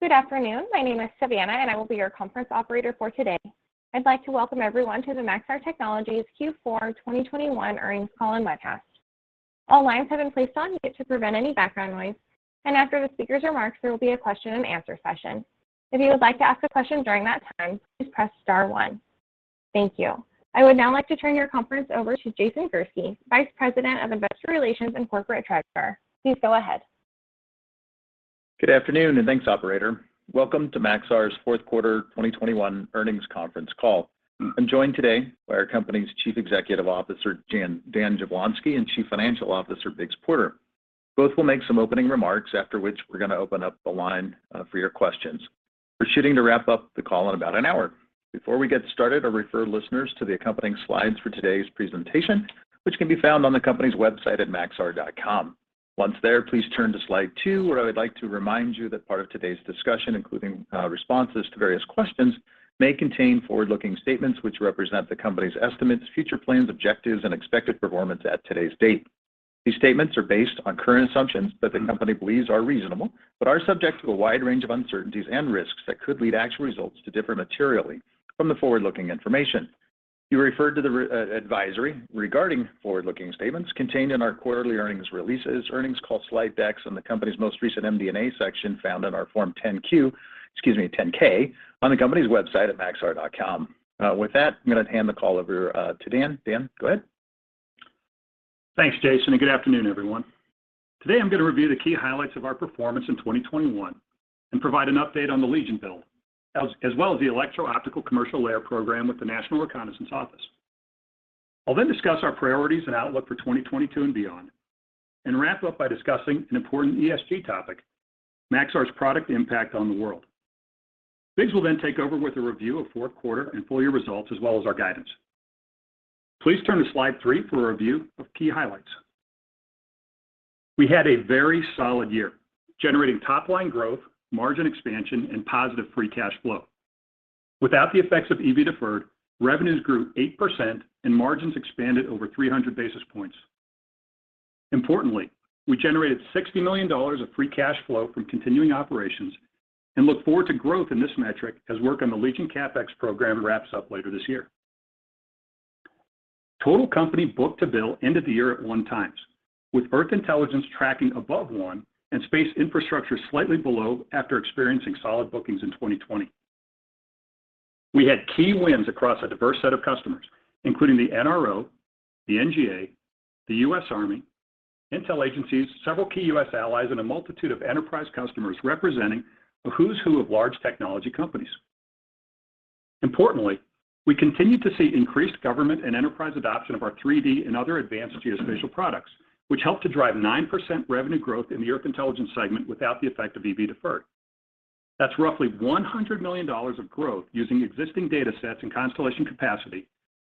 Good afternoon. My name is Savannah, and I will be your conference operator for today. I'd like to welcome everyone to the Maxar Technologies Q4 2021 earnings call and webcast. All lines have been placed on mute to prevent any background noise, and after the speaker's remarks, there will be a question-and-answer session. If you would like to ask a question during that time, please press star one. Thank you. I would now like to turn your conference over to Jason Gursky, Vice President of Investor Relations and Corporate Treasurer. Please go ahead. Good afternoon, and thanks, operator. Welcome to Maxar's fourth quarter 2021 earnings conference call. I'm joined today by our company's Chief Executive Officer, Dan Jablonsky, and Chief Financial Officer, Biggs Porter. Both will make some opening remarks after which we're gonna open up the line for your questions. We're shooting to wrap up the call in about an hour. Before we get started, I'll refer listeners to the accompanying slides for today's presentation, which can be found on the company's website at maxar.com. Once there, please turn to slide two where I would like to remind you that part of today's discussion, including responses to various questions, may contain forward-looking statements which represent the company's estimates, future plans, objectives, and expected performance at today's date. These statements are based on current assumptions that the company believes are reasonable but are subject to a wide range of uncertainties and risks that could lead actual results to differ materially from the forward-looking information. You're referred to the advisory regarding forward-looking statements contained in our quarterly earnings releases, earnings call slide decks, and the company's most recent MD&A section found in our form 10-Q, excuse me, 10-K, on the company's website at maxar.com. With that, I'm gonna hand the call over to Dan. Dan, go ahead. Thanks, Jason, and good afternoon, everyone. Today, I'm gonna review the key highlights of our performance in 2021 and provide an update on the Legion build, as well as the electro-optical commercial layer program with the National Reconnaissance Office. I'll then discuss our priorities and outlook for 2022 and beyond and wrap up by discussing an important ESG topic, Maxar's product impact on the world. Biggs will then take over with a review of fourth quarter and full year results as well as our guidance. Please turn to slide three for a review of key highlights. We had a very solid year, generating top-line growth, margin expansion, and positive free cash flow. Without the effects of EV deferred, revenues grew 8% and margins expanded over 300 basis points. Importantly, we generated $60 million of free cash flow from continuing operations and look forward to growth in this metric as work on the Legion CapEx program wraps up later this year. Total company book-to-bill ended the year at 1x, with Earth Intelligence tracking above 1x and Space Infrastructure slightly below after experiencing solid bookings in 2020. We had key wins across a diverse set of customers, including the NRO, the NGA, the U.S. Army, intel agencies, several key U.S. allies, and a multitude of enterprise customers representing a who's who of large technology companies. Importantly, we continued to see increased government and enterprise adoption of our 3D and other advanced geospatial products, which helped to drive 9% revenue growth in the Earth Intelligence segment without the effect of EV deferred. That's roughly $100 million of growth using existing datasets and constellation capacity,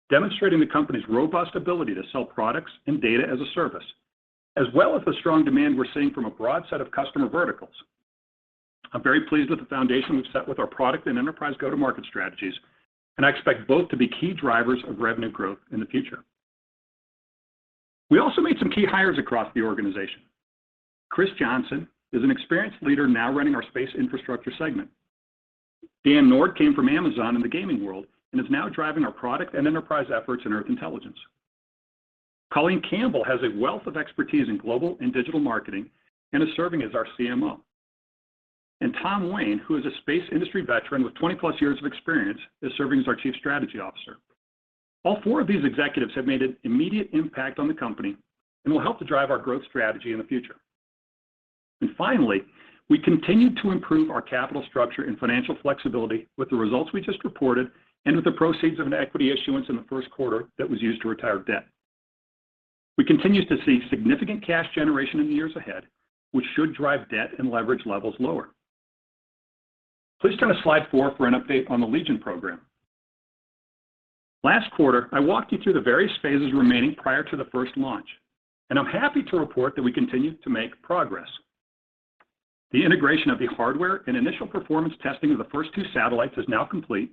demonstrating the company's robust ability to sell products and data as a service, as well as the strong demand we're seeing from a broad set of customer verticals. I'm very pleased with the foundation we've set with our product and enterprise go-to-market strategies, and I expect both to be key drivers of revenue growth in the future. We also made some key hires across the organization. Chris Johnson is an experienced leader now running our space infrastructure segment. Dan Nord came from Amazon in the gaming world and is now driving our product and enterprise efforts in Earth Intelligence. Colleen Campbell has a wealth of expertise in global and digital marketing and is serving as our CMO. Tom Lane, who is a space industry veteran with 20+ years of experience, is serving as our Chief Strategy Officer. All four of these executives have made an immediate impact on the company and will help to drive our growth strategy in the future. Finally, we continued to improve our capital structure and financial flexibility with the results we just reported and with the proceeds of an equity issuance in the first quarter that was used to retire debt. We continue to see significant cash generation in the years ahead, which should drive debt and leverage levels lower. Please turn to slide four for an update on the Legion program. Last quarter, I walked you through the various phases remaining prior to the first launch, and I'm happy to report that we continue to make progress. The integration of the hardware and initial performance testing of the first two satellites is now complete,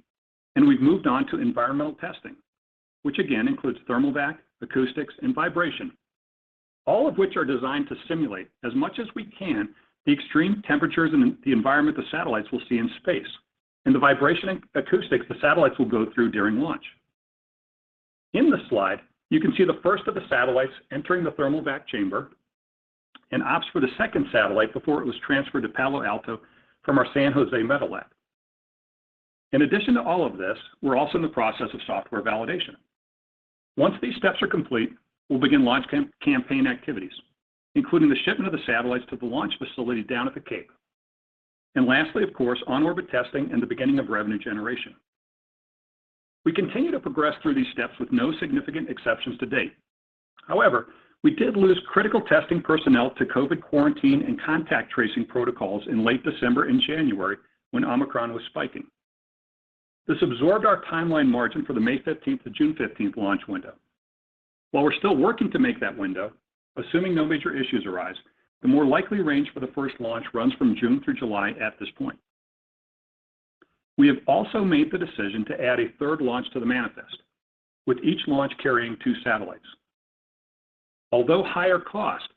and we've moved on to environmental testing, which again includes thermal vac, acoustics, and vibration. All of which are designed to simulate as much as we can the extreme temperatures and the environment the satellites will see in space and the vibration and acoustics the satellites will go through during launch. In this slide, you can see the first of the satellites entering the thermal vac chamber and ops for the second satellite before it was transferred to Palo Alto from our San Jose metrology lab. In addition to all of this, we're also in the process of software validation. Once these steps are complete, we'll begin launch campaign activities, including the shipment of the satellites to the launch facility down at the Cape. Lastly, of course, on-orbit testing and the beginning of revenue generation. We continue to progress through these steps with no significant exceptions to date. However, we did lose critical testing personnel to COVID quarantine and contact tracing protocols in late December and January when Omicron was spiking. This absorbed our timeline margin for the May 15 to June 15 launch window. While we're still working to make that window, assuming no major issues arise, the more likely range for the first launch runs from June through July at this point. We have also made the decision to add a third launch to the manifest, with each launch carrying two satellites. Although higher cost,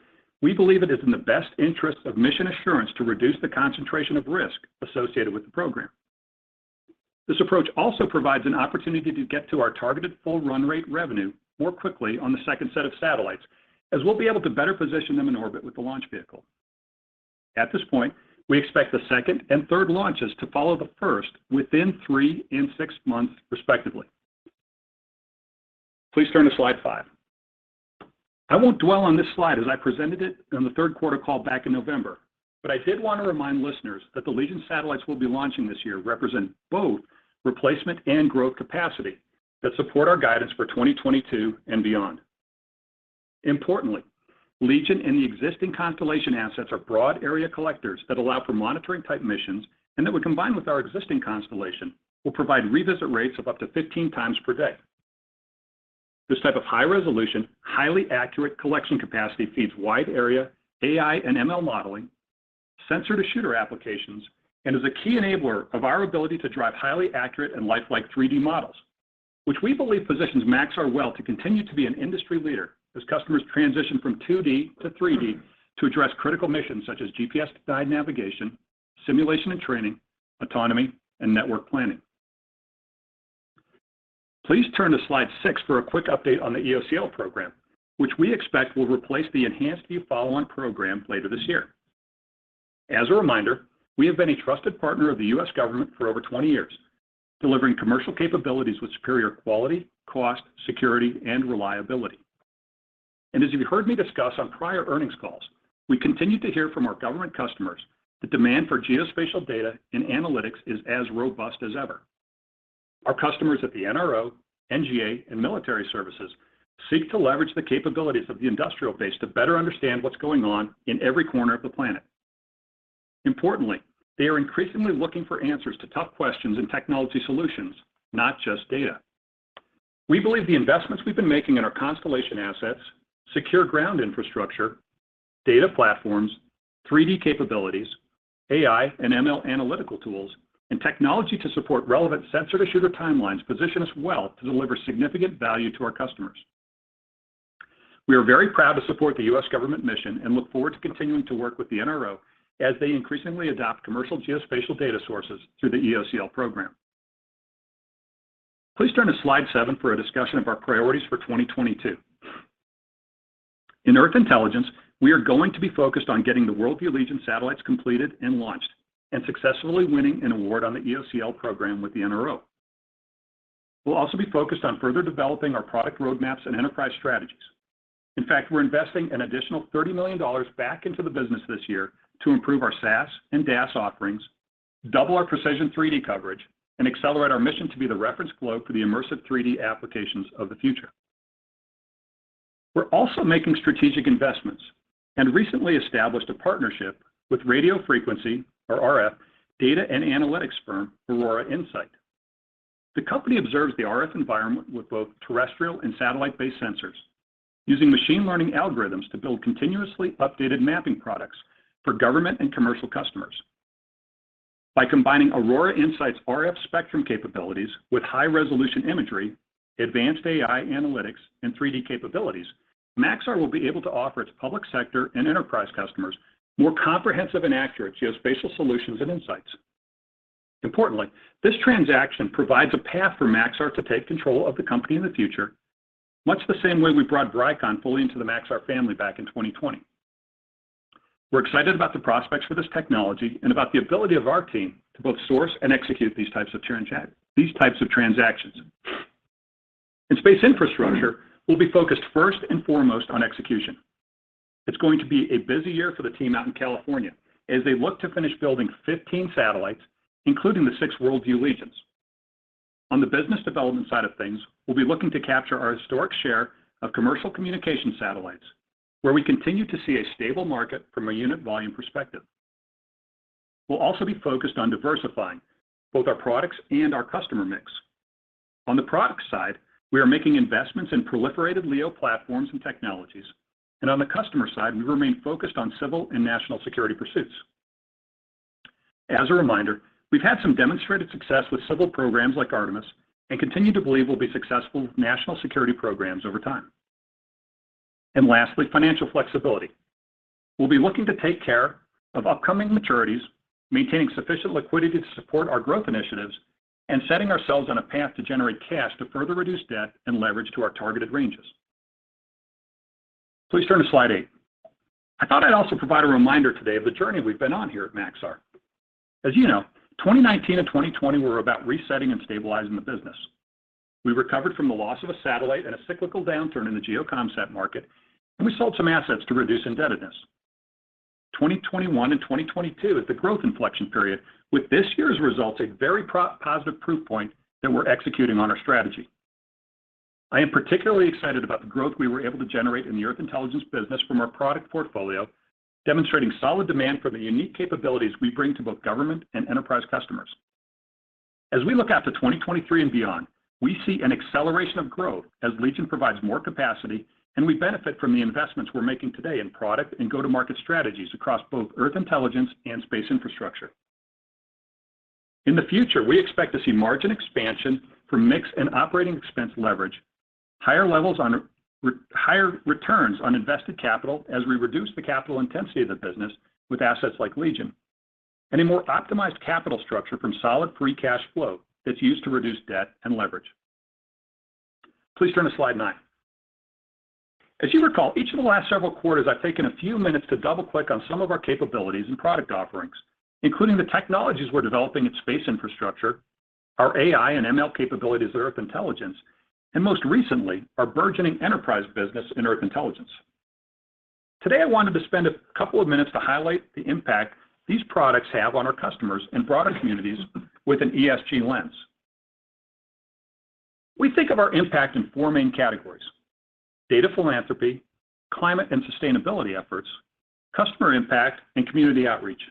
we believe it is in the best interest of mission assurance to reduce the concentration of risk associated with the program. This approach also provides an opportunity to get to our targeted full run rate revenue more quickly on the second set of satellites, as we'll be able to better position them in orbit with the launch vehicle. At this point, we expect the second and third launches to follow the first within three and six months respectively. Please turn to slide five. I won't dwell on this slide as I presented it on the third quarter call back in November, but I did want to remind listeners that the Legion satellites we'll be launching this year represent both replacement and growth capacity that support our guidance for 2022 and beyond. Importantly, Legion and the existing constellation assets are broad area collectors that allow for monitoring type missions and that when combined with our existing constellation, will provide revisit rates of up to 15x per day. This type of high-resolution, highly accurate collection capacity feeds wide-area AI and ML modeling, sensor-to-shooter applications, and is a key enabler of our ability to drive highly accurate and lifelike 3D models, which we believe positions Maxar well to continue to be an industry leader as customers transition from 2D-3D to address critical missions such as GPS-guided navigation, simulation and training, autonomy and network planning. Please turn to slide six for a quick update on the EOCL program, which we expect will replace the EnhancedView Follow-On program later this year. As a reminder, we have been a trusted partner of the U.S. government for over 20 years, delivering commercial capabilities with superior quality, cost, security, and reliability. As you've heard me discuss on prior earnings calls, we continue to hear from our government customers the demand for geospatial data and analytics is as robust as ever. Our customers at the NRO, NGA, and military services seek to leverage the capabilities of the industrial base to better understand what's going on in every corner of the planet. Importantly, they are increasingly looking for answers to tough questions and technology solutions, not just data. We believe the investments we've been making in our constellation assets, secure ground infrastructure, data platforms, 3D capabilities, AI and ML analytical tools, and technology to support relevant sensor-to-shooter timelines position us well to deliver significant value to our customers. We are very proud to support the U.S. government mission and look forward to continuing to work with the NRO as they increasingly adopt commercial geospatial data sources through the EOCL program. Please turn to slide seven for a discussion of our priorities for 2022. In Earth Intelligence, we are going to be focused on getting the WorldView Legion satellites completed and launched, and successfully winning an award on the EOCL program with the NRO. We'll also be focused on further developing our product roadmaps and enterprise strategies. In fact, we're investing an additional $30 million back into the business this year to improve our SaaS and DaaS offerings, double our precision 3D coverage, and accelerate our mission to be the reference globe for the immersive 3D applications of the future. We're also making strategic investments and recently established a partnership with radio frequency, or RF, data and analytics firm Aurora Insight. The company observes the RF environment with both terrestrial and satellite-based sensors using machine learning algorithms to build continuously updated mapping products for government and commercial customers. By combining Aurora Insight's RF spectrum capabilities with high-resolution imagery, advanced AI analytics, and 3D capabilities, Maxar will be able to offer its public sector and enterprise customers more comprehensive and accurate geospatial solutions and insights. Importantly, this transaction provides a path for Maxar to take control of the company in the future, much the same way we brought Vricon fully into the Maxar family back in 2020. We're excited about the prospects for this technology and about the ability of our team to both source and execute these types of transactions. In space infrastructure, we'll be focused first and foremost on execution. It's going to be a busy year for the team out in California as they look to finish building 15 satellites, including the 6 WorldView Legion. On the business development side of things, we'll be looking to capture our historic share of commercial communication satellites, where we continue to see a stable market from a unit volume perspective. We'll also be focused on diversifying both our products and our customer mix. On the product side, we are making investments in proliferated LEO platforms and technologies. On the customer side, we remain focused on civil and national security pursuits. As a reminder, we've had some demonstrated success with civil programs like Artemis and continue to believe we'll be successful with national security programs over time. Lastly, financial flexibility. We'll be looking to take care of upcoming maturities, maintaining sufficient liquidity to support our growth initiatives, and setting ourselves on a path to generate cash to further reduce debt and leverage to our targeted ranges. Please turn to slide eight. I thought I'd also provide a reminder today of the journey we've been on here at Maxar. As you know, 2019 and 2020 were about resetting and stabilizing the business. We recovered from the loss of a satellite and a cyclical downturn in the GEO comsat market, and we sold some assets to reduce indebtedness. 2021 and 2022 is the growth inflection period, with this year's results a very positive proof point that we're executing on our strategy. I am particularly excited about the growth we were able to generate in the Earth Intelligence business from our product portfolio, demonstrating solid demand for the unique capabilities we bring to both government and enterprise customers. As we look out to 2023 and beyond. We see an acceleration of growth as Legion provides more capacity, and we benefit from the investments we're making today in product and go-to-market strategies across both Earth Intelligence and Space Infrastructure. In the future, we expect to see margin expansion from mix and operating expense leverage, higher returns on invested capital as we reduce the capital intensity of the business with assets like Legion, and a more optimized capital structure from solid free cash flow that's used to reduce debt and leverage. Please turn to slide nine. As you recall, each of the last several quarters, I've taken a few minutes to double-click on some of our capabilities and product offerings, including the technologies we're developing at Space Infrastructure, our AI and ML capabilities at Earth Intelligence, and most recently, our burgeoning enterprise business in Earth Intelligence. Today, I wanted to spend a couple of minutes to highlight the impact these products have on our customers and broader communities with an ESG lens. We think of our impact in four main categories, data philanthropy, climate and sustainability efforts, customer impact, and community outreach.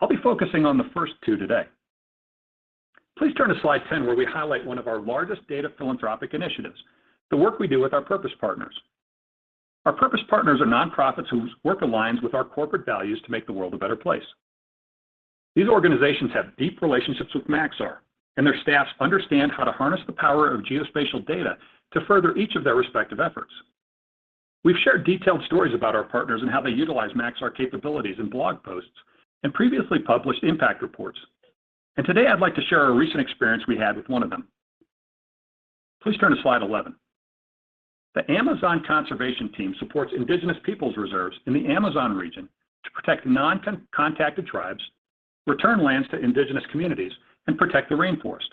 I'll be focusing on the first two today. Please turn to slide 10, where we highlight one of our largest data philanthropic initiatives, the work we do with our purpose partners. Our purpose partners are nonprofits whose work aligns with our corporate values to make the world a better place. These organizations have deep relationships with Maxar, and their staffs understand how to harness the power of geospatial data to further each of their respective efforts. We've shared detailed stories about our partners and how they utilize Maxar capabilities in blog posts and previously published impact reports. Today, I'd like to share a recent experience we had with one of them. Please turn to slide 11. The Amazon Conservation Team supports indigenous peoples' reserves in the Amazon region to protect non-contacted tribes, return lands to indigenous communities, and protect the rainforest.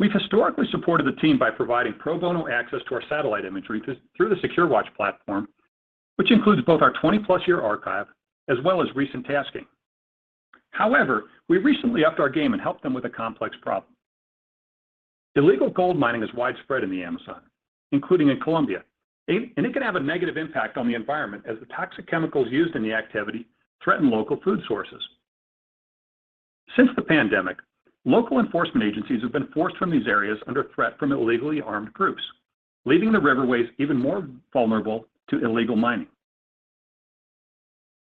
We've historically supported the team by providing pro bono access to our satellite imagery through the SecureWatch platform, which includes both our 20+ year archive as well as recent tasking. However, we recently upped our game and helped them with a complex problem. Illegal gold mining is widespread in the Amazon, including in Colombia, and it can have a negative impact on the environment as the toxic chemicals used in the activity threaten local food sources. Since the pandemic, local enforcement agencies have been forced from these areas under threat from illegally armed groups, leaving the riverways even more vulnerable to illegal mining.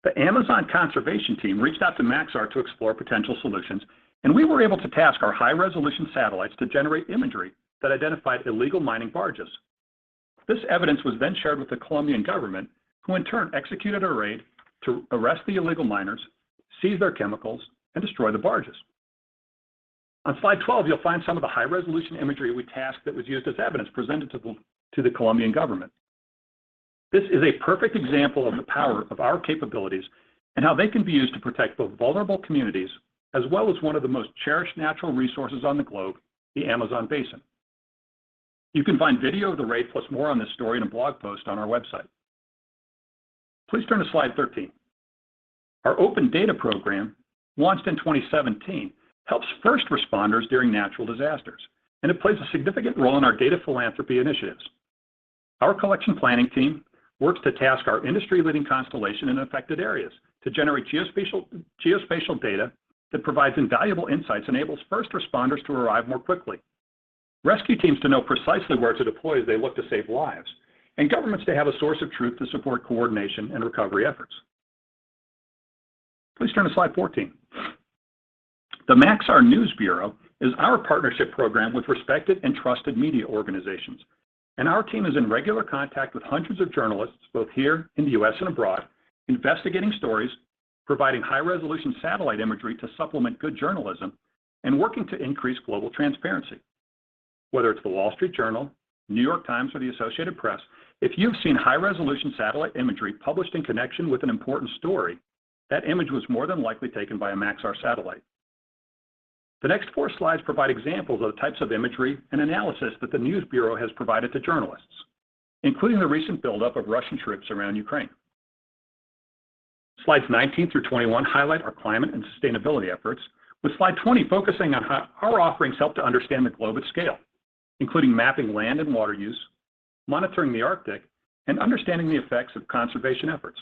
The Amazon Conservation Team reached out to Maxar to explore potential solutions, and we were able to task our high-resolution satellites to generate imagery that identified illegal mining barges. This evidence was then shared with the Colombian government, who in turn executed a raid to arrest the illegal miners, seize their chemicals, and destroy the barges. On slide 12, you'll find some of the high-resolution imagery we tasked that was used as evidence presented to the Colombian government. This is a perfect example of the power of our capabilities and how they can be used to protect both vulnerable communities as well as one of the most cherished natural resources on the globe, the Amazon basin. You can find video of the raid plus more on this story in a blog post on our website. Please turn to slide 13. Our open data program, launched in 2017, helps first responders during natural disasters, and it plays a significant role in our data philanthropy initiatives. Our collection planning team works to task our industry-leading constellation in affected areas to generate geospatial data that provides invaluable insights, enables first responders to arrive more quickly, rescue teams to know precisely where to deploy as they look to save lives, and governments to have a source of truth to support coordination and recovery efforts. Please turn to slide 14. The Maxar News Bureau is our partnership program with respected and trusted media organizations, and our team is in regular contact with hundreds of journalists, both here in the U.S. and abroad, investigating stories, providing high-resolution satellite imagery to supplement good journalism, and working to increase global transparency. Whether it's The Wall Street Journal, The New York Times, or the Associated Press, if you've seen high-resolution satellite imagery published in connection with an important story, that image was more than likely taken by a Maxar satellite. The next four slides provide examples of the types of imagery and analysis that the News Bureau has provided to journalists, including the recent buildup of Russian troops around Ukraine. Slides 19 through 21 highlight our climate and sustainability efforts with slide 20 focusing on how our offerings help to understand the globe at scale, including mapping land and water use, monitoring the Arctic, and understanding the effects of conservation efforts.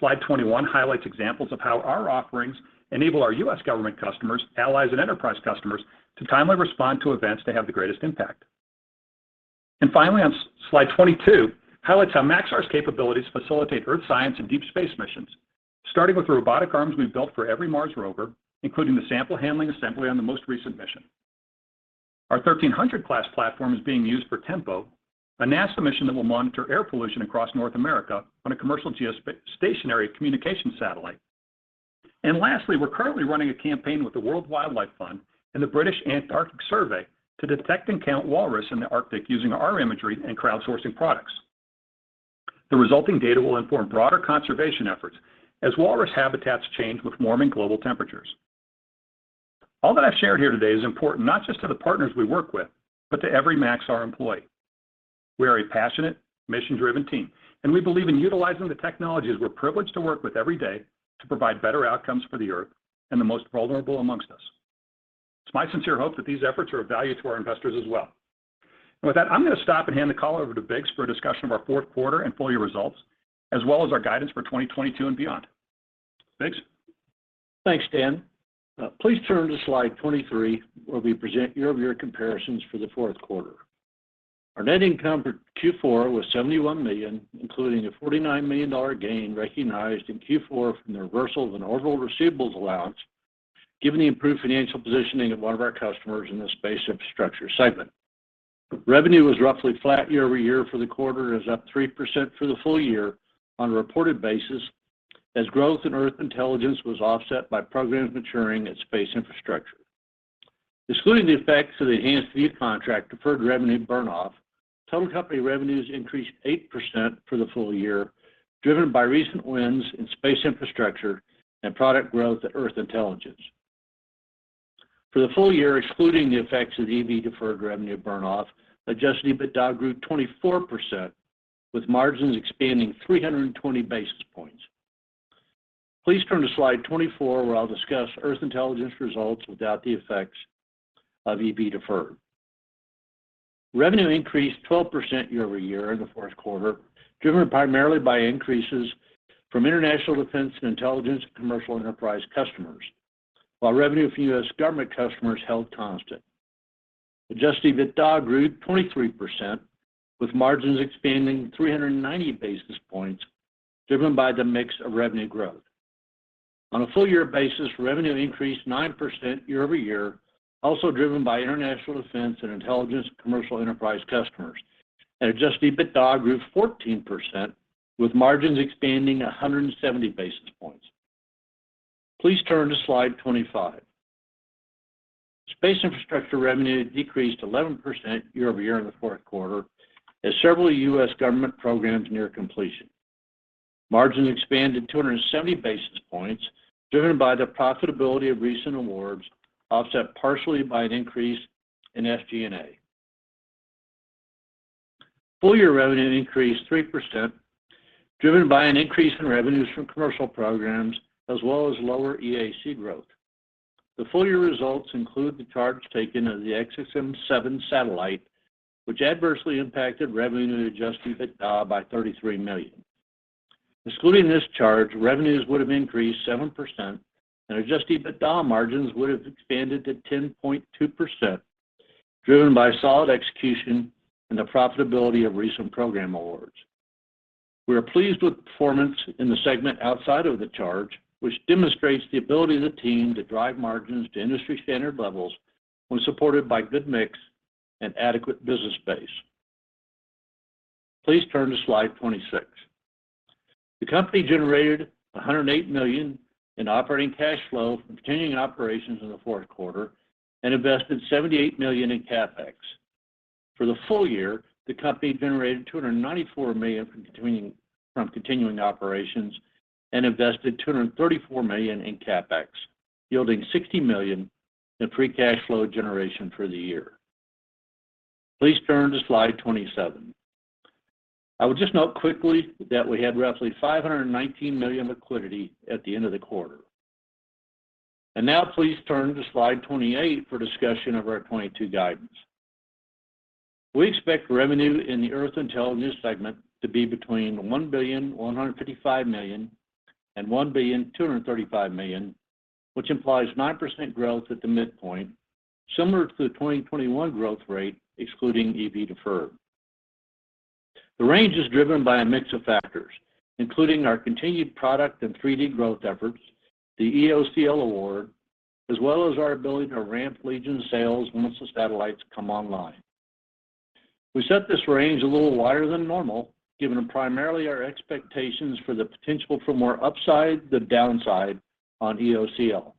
Slide 21 highlights examples of how our offerings enable our U.S. government customers, allies, and enterprise customers to timely respond to events that have the greatest impact. Finally, on slide 22 highlights how Maxar's capabilities facilitate earth science and deep space missions, starting with the robotic arms we built for every Mars rover, including the sample handling assembly on the most recent mission. Our thirteen hundred class platform is being used for TEMPO, a NASA mission that will monitor air pollution across North America on a commercial geostationary communications satellite. Lastly, we're currently running a campaign with the World Wildlife Fund and the British Antarctic Survey to detect and count walrus in the Arctic using our imagery and crowdsourcing products. The resulting data will inform broader conservation efforts as walrus habitats change with warming global temperatures. All that I've shared here today is important not just to the partners we work with but to every Maxar employee. We are a passionate, mission-driven team, and we believe in utilizing the technologies we're privileged to work with every day to provide better outcomes for the Earth and the most vulnerable amongst us. It's my sincere hope that these efforts are of value to our investors as well. With that, I'm gonna stop and hand the call over to Biggs for a discussion of our fourth quarter and full year results, as well as our guidance for 2022 and beyond. Thanks. Thanks, Dan. Please turn to slide 23, where we present year-over-year comparisons for the fourth quarter. Our net income for Q4 was $71 million, including a $49 million gain recognized in Q4 from the reversal of an orbital receivables allowance, given the improved financial positioning of one of our customers in the Space Infrastructure segment. Revenue was roughly flat year over year for the quarter and is up 3% for the full year on a reported basis as growth in Earth Intelligence was offset by programs maturing at Space Infrastructure. Excluding the effects of the EnhancedView contract deferred revenue burn off, total company revenues increased 8% for the full year, driven by recent wins in Space Infrastructure and product growth at Earth Intelligence. For the full year, excluding the effects of EV deferred revenue burn off, adjusted EBITDA grew 24% with margins expanding 320 basis points. Please turn to slide 24, where I'll discuss Earth Intelligence results without the effects of EV deferred. Revenue increased 12% year-over-year in the fourth quarter, driven primarily by increases from international defense and intelligence commercial enterprise customers, while revenue for U.S. government customers held constant. Adjusted EBITDA grew 23% with margins expanding 390 basis points driven by the mix of revenue growth. On a full year basis, revenue increased 9% year-over-year, also driven by international defense and intelligence commercial enterprise customers. Adjusted EBITDA grew 14% with margins expanding 170 basis points. Please turn to slide 25. Space infrastructure revenue decreased 11% year-over-year in the fourth quarter as several U.S. government programs near completion. Margin expanded 270 basis points, driven by the profitability of recent awards, offset partially by an increase in SG&A. Full-year revenue increased 3%, driven by an increase in revenues from commercial programs as well as lower EAC growth. The full-year results include the charge taken of the SXM-7 satellite, which adversely impacted revenue and adjusted EBITDA by $33 million. Excluding this charge, revenues would have increased 7% and adjusted EBITDA margins would have expanded to 10.2%, driven by solid execution and the profitability of recent program awards. We are pleased with the performance in the segment outside of the charge, which demonstrates the ability of the team to drive margins to industry standard levels when supported by good mix and adequate business base. Please turn to slide 26. The company generated $108 million in operating cash flow from continuing operations in the fourth quarter and invested $78 million in CapEx. For the full year, the company generated $294 million from continuing operations and invested $234 million in CapEx, yielding $60 million in free cash flow generation for the year. Please turn to slide 27. I would just note quickly that we had roughly $519 million liquidity at the end of the quarter. Now please turn to slide 28 for discussion of our 2022 guidance. We expect revenue in the Earth Intelligence segment to be between $1.155 billion and $1.235 billion, which implies 9% growth at the midpoint, similar to the 2021 growth rate, excluding EV deferred. The range is driven by a mix of factors, including our continued product and 3D growth efforts, the EOCL award, as well as our ability to ramp Legion sales once the satellites come online. We set this range a little wider than normal, given primarily our expectations for the potential for more upside than the downside on EOCL.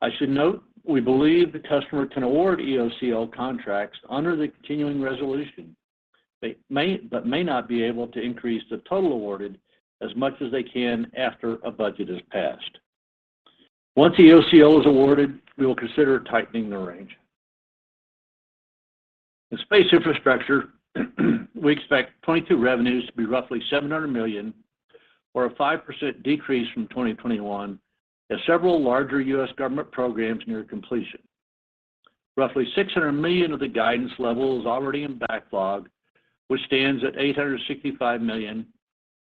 I should note we believe the customer can award EOCL contracts under the continuing resolution. They may, but may not be able to increase the total awarded as much as they can after a budget is passed. Once EOCL is awarded, we will consider tightening the range. In space infrastructure, we expect 2022 revenues to be roughly $700 million or a 5% decrease from 2021 as several larger U.S. government programs near completion. Roughly $600 million of the guidance level is already in backlog, which stands at $865 million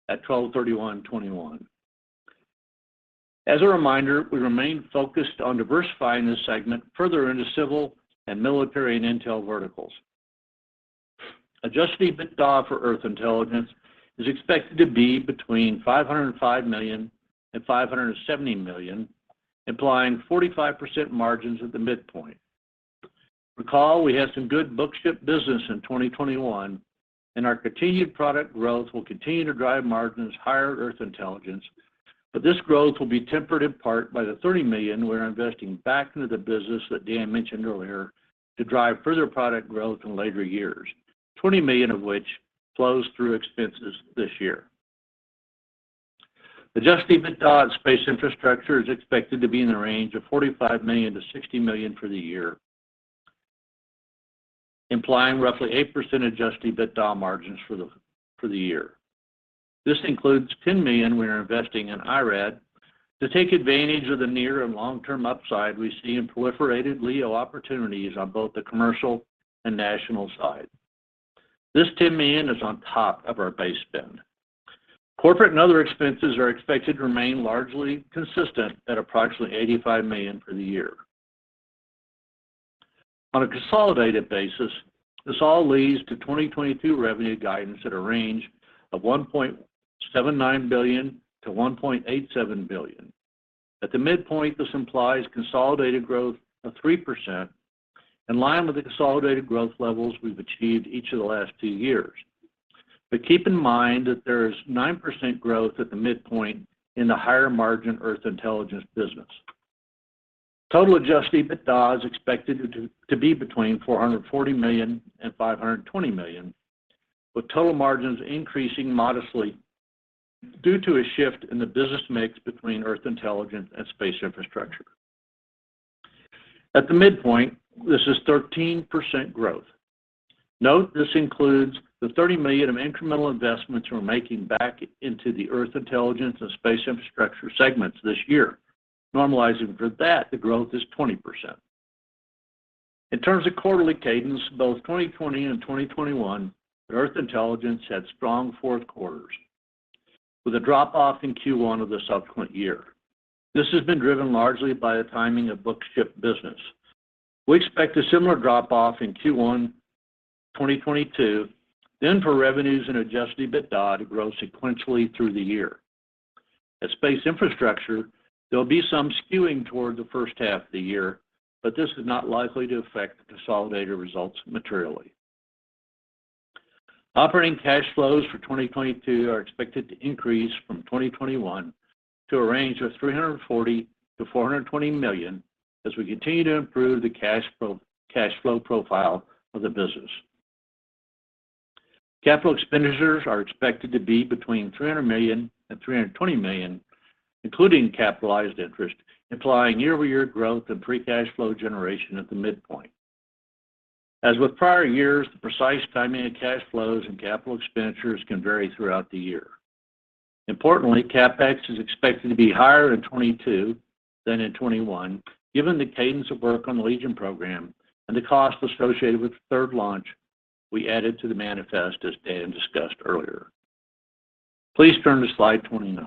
at 12/31/2021. As a reminder, we remain focused on diversifying this segment further into civil and military and intel verticals. Adjusted EBITDA for Earth Intelligence is expected to be between $505 million and $570 million, implying 45% margins at the midpoint. Recall we had some good book-to-bill business in 2021, and our continued product growth will continue to drive margins higher at Earth Intelligence. This growth will be tempered in part by the $30 million we're investing back into the business that Dan mentioned earlier to drive further product growth in later years, $20 million of which flows through expenses this year. Adjusted EBITDA at Space Infrastructure is expected to be in the range of $45 million-$60 million for the year, implying roughly 8% adjusted EBITDA margins for the year. This includes $10 million we are investing in IRAD to take advantage of the near and long-term upside we see in proliferated LEO opportunities on both the commercial and national side. This $10 million is on top of our base spend. Corporate and other expenses are expected to remain largely consistent at approximately $85 million for the year. On a consolidated basis, this all leads to 2022 revenue guidance at a range of $1.79 billion-$1.87 billion. At the midpoint, this implies consolidated growth of 3% in line with the consolidated growth levels we've achieved each of the last two years. Keep in mind that there's 9% growth at the midpoint in the higher-margin Earth Intelligence business. Total adjusted EBITDA is expected to be between $440 million and $520 million, with total margins increasing modestly due to a shift in the business mix between Earth Intelligence and Space Infrastructure. At the midpoint, this is 13% growth. Note this includes the $30 million of incremental investments we're making back into the Earth Intelligence and Space Infrastructure segments this year. Normalizing for that, the growth is 20%. In terms of quarterly cadence, both 2020 and 2021, Earth Intelligence had strong fourth quarters, with a drop-off in Q1 of the subsequent year. This has been driven largely by the timing of booked shipped business. We expect a similar drop-off in Q1 2022, then for revenues and adjusted EBITDA to grow sequentially through the year. At Space Infrastructure, there'll be some skewing toward the first half of the year, but this is not likely to affect the consolidated results materially. Operating cash flows for 2022 are expected to increase from 2021 to a range of $340 million-$420 million as we continue to improve the cash flow, cash flow profile of the business. Capital expenditures are expected to be between $300 million and $320 million, including capitalized interest, implying year-over-year growth and free cash flow generation at the midpoint. As with prior years, the precise timing of cash flows and capital expenditures can vary throughout the year. Importantly, CapEx is expected to be higher in 2022 than in 2021, given the cadence of work on the Legion program and the cost associated with the third launch we added to the manifest, as Dan discussed earlier. Please turn to slide 29.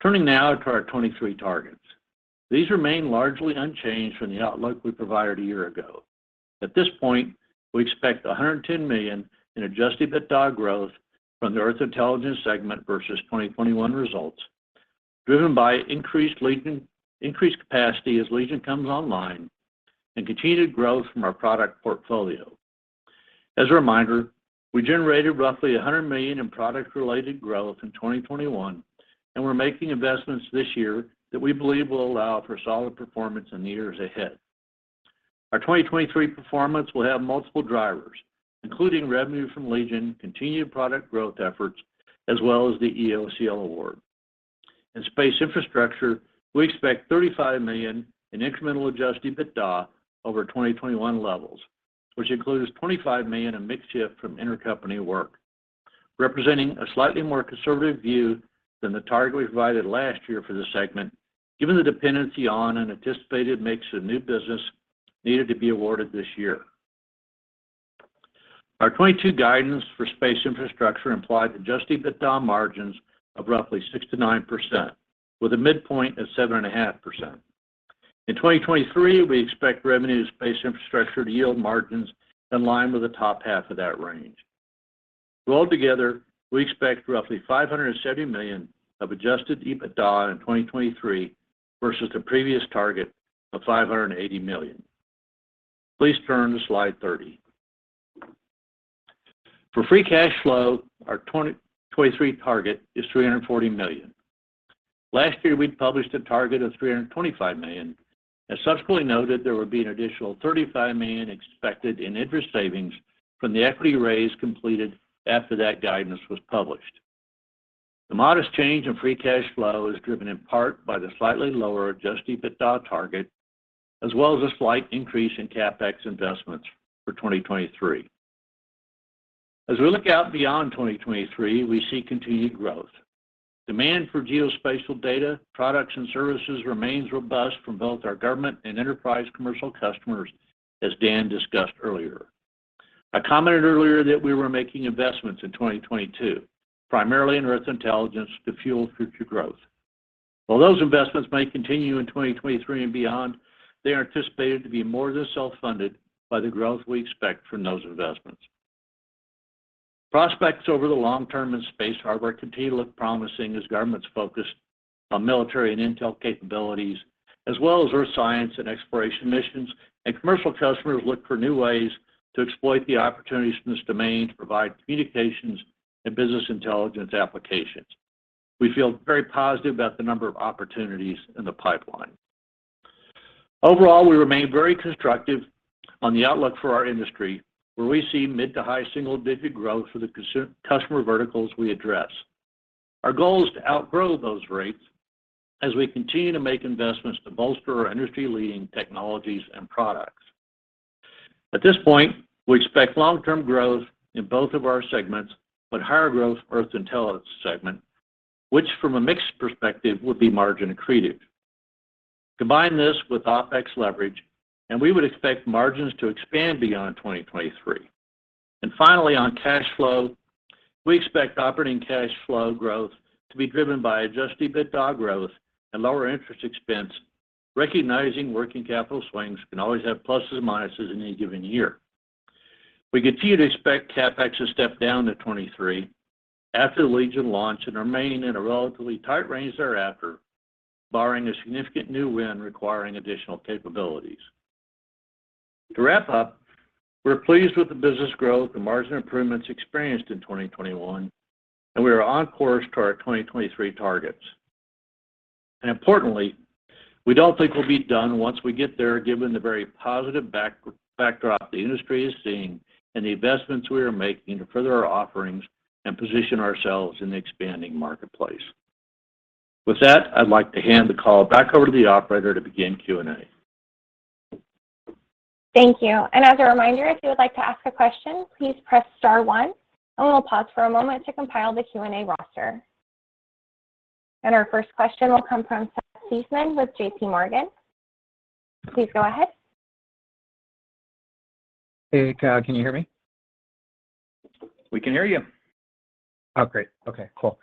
Turning now to our 2023 targets. These remain largely unchanged from the outlook we provided a year ago. At this point, we expect $110 million in adjusted EBITDA growth from the Earth Intelligence segment versus 2021 results, driven by increased capacity as Legion comes online and continued growth from our product portfolio. As a reminder, we generated roughly $100 million in product-related growth in 2021, and we're making investments this year that we believe will allow for solid performance in the years ahead. Our 2023 performance will have multiple drivers, including revenue from Legion, continued product growth efforts, as well as the EOCL award. In Space Infrastructure, we expect $35 million in incremental adjusted EBITDA over 2021 levels, which includes $25 million in mix shift from intercompany work, representing a slightly more conservative view than the target we provided last year for the segment, given the dependency on an anticipated mix of new business needed to be awarded this year. Our 2022 guidance for Space Infrastructure implied adjusted EBITDA margins of roughly 6%-9%, with a midpoint of 7.5%. In 2023, we expect revenue to Space Infrastructure to yield margins in line with the top half of that range. Well, altogether, we expect roughly $570 million of adjusted EBITDA in 2023 versus the previous target of $580 million. Please turn to slide 30. For free cash flow, our 2023 target is $340 million. Last year, we'd published a target of $325 million. As subsequently noted, there would be an additional $35 million expected in interest savings from the equity raise completed after that guidance was published. The modest change in free cash flow is driven in part by the slightly lower adjusted EBITDA target, as well as a slight increase in CapEx investments for 2023. As we look out beyond 2023, we see continued growth. Demand for geospatial data, products, and services remains robust from both our government and enterprise commercial customers, as Dan discussed earlier. I commented earlier that we were making investments in 2022, primarily in Earth Intelligence to fuel future growth. While those investments may continue in 2023 and beyond, they are anticipated to be more than self-funded by the growth we expect from those investments. Prospects over the long term in space hardware continue to look promising as governments focus on military and intel capabilities, as well as earth science and exploration missions, and commercial customers look for new ways to exploit the opportunities in this domain to provide communications and business intelligence applications. We feel very positive about the number of opportunities in the pipeline. Overall, we remain very constructive on the outlook for our industry, where we see mid- to high single-digit growth for the commercial customer verticals we address. Our goal is to outgrow those rates as we continue to make investments to bolster our industry-leading technologies and products. At this point, we expect long-term growth in both of our segments, but higher growth in the Earth Intelligence segment, which from a mix perspective, would be margin-accretive. Combine this with OpEx leverage, and we would expect margins to expand beyond 2023. Finally, on cash flow, we expect operating cash flow growth to be driven by adjusted EBITDA growth and lower interest expense, recognizing working capital swings can always have pluses and minuses in any given year. We continue to expect CapEx to step down to $23 after the Legion launch and remain in a relatively tight range thereafter, barring a significant new win requiring additional capabilities. To wrap up, we're pleased with the business growth and margin improvements experienced in 2021, and we are on course to our 2023 targets. Importantly, we don't think we'll be done once we get there, given the very positive backdrop the industry is seeing and the investments we are making to further our offerings and position ourselves in the expanding marketplace. With that, I'd like to hand the call back over to the operator to begin Q&A. Thank you. As a reminder, if you would like to ask a question, please press star one, and we'll pause for a moment to compile the Q&A roster. Our first question will come from Seth Seifman with JPMorgan. Please go ahead. Hey, can you hear me? We can hear you. Oh, great. Okay, cool.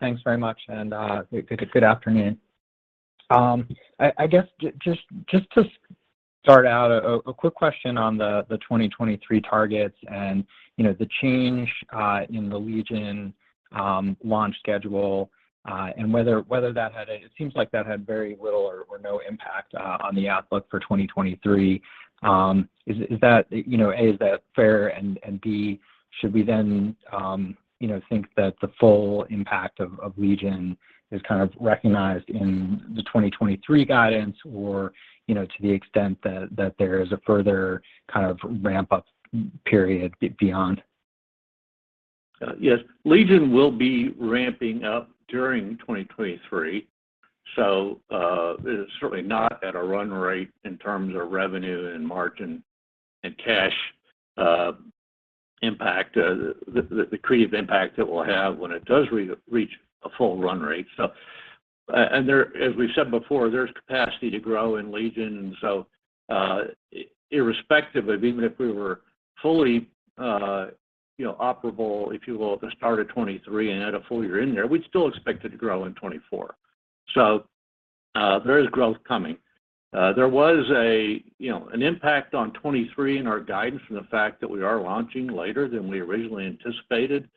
Thanks very much. Good afternoon. I guess just to start out, a quick question on the 2023 targets and, you know, the change in the Legion launch schedule and whether that had. It seems like that had very little or no impact on the outlook for 2023. Is that fair? And B, should we then, you know, think that the full impact of Legion is kind of recognized in the 2023 guidance? Or, you know, to the extent that there is a further kind of ramp-up period beyond? Yes. Legion will be ramping up during 2023, it is certainly not at a run rate in terms of revenue and margin and cash impact, the accretive impact it will have when it does reach a full run rate. As we said before, there's capacity to grow in Legion. Irrespective of even if we were fully, you know, operable, if you will, at the start of 2023 and had a full year in there, we'd still expect it to grow in 2024. There is growth coming. There was, you know, an impact on 2023 in our guidance from the fact that we are launching later than we originally anticipated.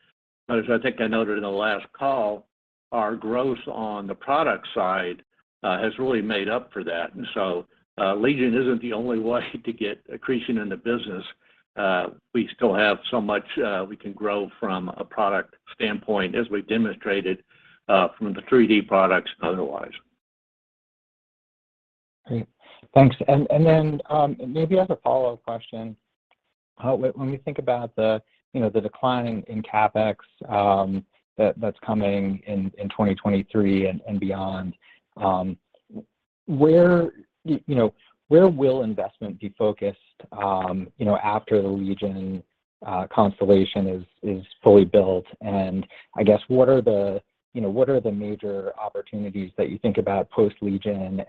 As I think I noted in the last call, our growth on the product side has really made up for that. Legion isn't the only way to get accretion in the business. We still have so much we can grow from a product standpoint as we've demonstrated from the 3D products otherwise. Great. Thanks. Then maybe as a follow-up question, when we think about the you know the decline in CapEx that that's coming in 2023 and beyond, where you know where will investment be focused you know after the Legion constellation is fully built? I guess what are the you know what are the major opportunities that you think about post Legion?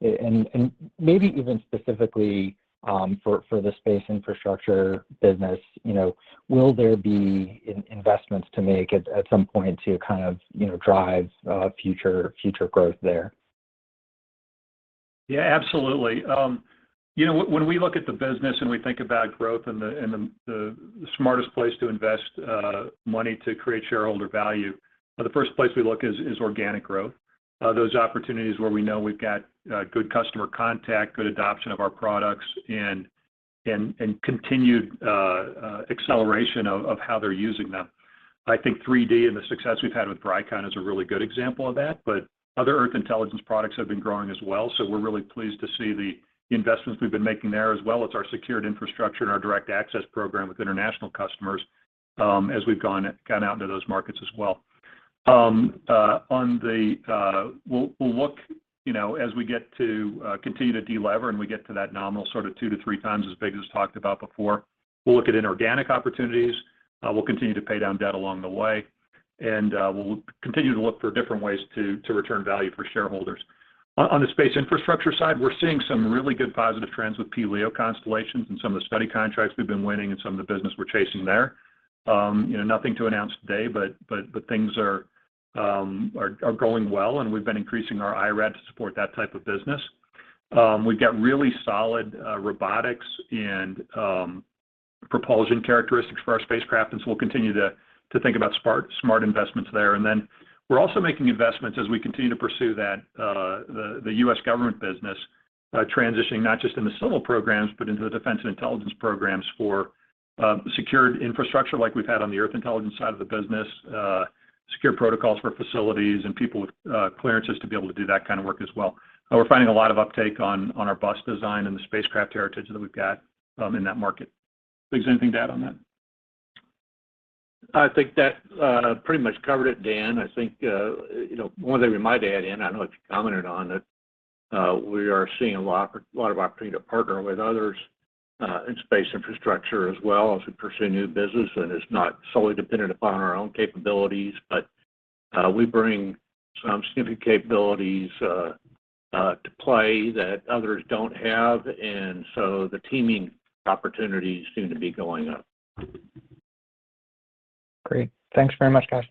Maybe even specifically for the space infrastructure business, you know will there be investments to make at some point to kind of you know drive future growth there? Yeah, absolutely. You know, when we look at the business and we think about growth and the smartest place to invest money to create shareholder value, the first place we look is organic growth, those opportunities where we know we've got good customer contact, good adoption of our products and continued acceleration of how they're using them. I think 3D and the success we've had with Vricon is a really good example of that. Other Earth Intelligence products have been growing as well. We're really pleased to see the investments we've been making there, as well as our secured infrastructure and our Direct Access Program with international customers, as we've gone out into those markets as well. On the, we'll look, you know, as we get to continue to delever, and we get to that nominal sort of 2-3 times as big as talked about before, we'll look at inorganic opportunities. We'll continue to pay down debt along the way, and we'll continue to look for different ways to return value for shareholders. On the space infrastructure side, we're seeing some really good positive trends with pLEO constellations and some of the study contracts we've been winning and some of the business we're chasing there. You know, nothing to announce today, but things are going well, and we've been increasing our IRAD to support that type of business. We've got really solid robotics and propulsion characteristics for our spacecraft, and so we'll continue to think about smart investments there. We're also making investments as we continue to pursue that the U.S. government business, transitioning not just in the civil programs, but into the defense and intelligence programs for secure infrastructure like we've had on the Earth Intelligence side of the business, secure protocols for facilities and people with clearances to be able to do that kind of work as well. We're finding a lot of uptake on our bus design and the spacecraft heritage that we've got in that market. Biggs, anything to add on that? I think that pretty much covered it, Dan. I think you know, one thing we might add in, I know it's commented on, that we are seeing a lot of opportunity to partner with others in space infrastructure as well as we pursue new business, and is not solely dependent upon our own capabilities. We bring some significant capabilities to play that others don't have, and so the teaming opportunities seem to be going up. Great. Thanks very much, guys.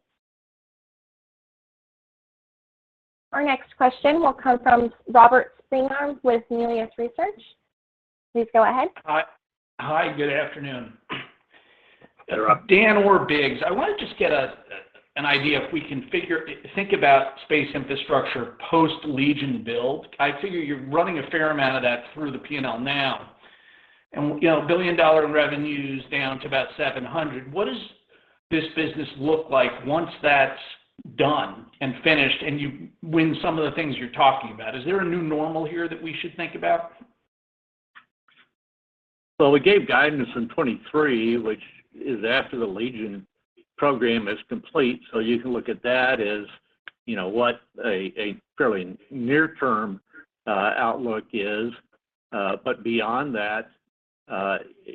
Our next question will come from Robert Spingarn with Melius Research. Please go ahead. Hi. Hi, good afternoon. Dan or Biggs, I want to just get an idea if we can think about space infrastructure post-Legion build. I figure you're running a fair amount of that through the P&L now. You know, $1 billion revenue is down to about $700 million. What does this business look like once that's done and finished, and you win some of the things you're talking about? Is there a new normal here that we should think about? Well, we gave guidance in 2023, which is after the Legion program is complete. You can look at that as, you know, what a fairly near-term outlook is. Beyond that,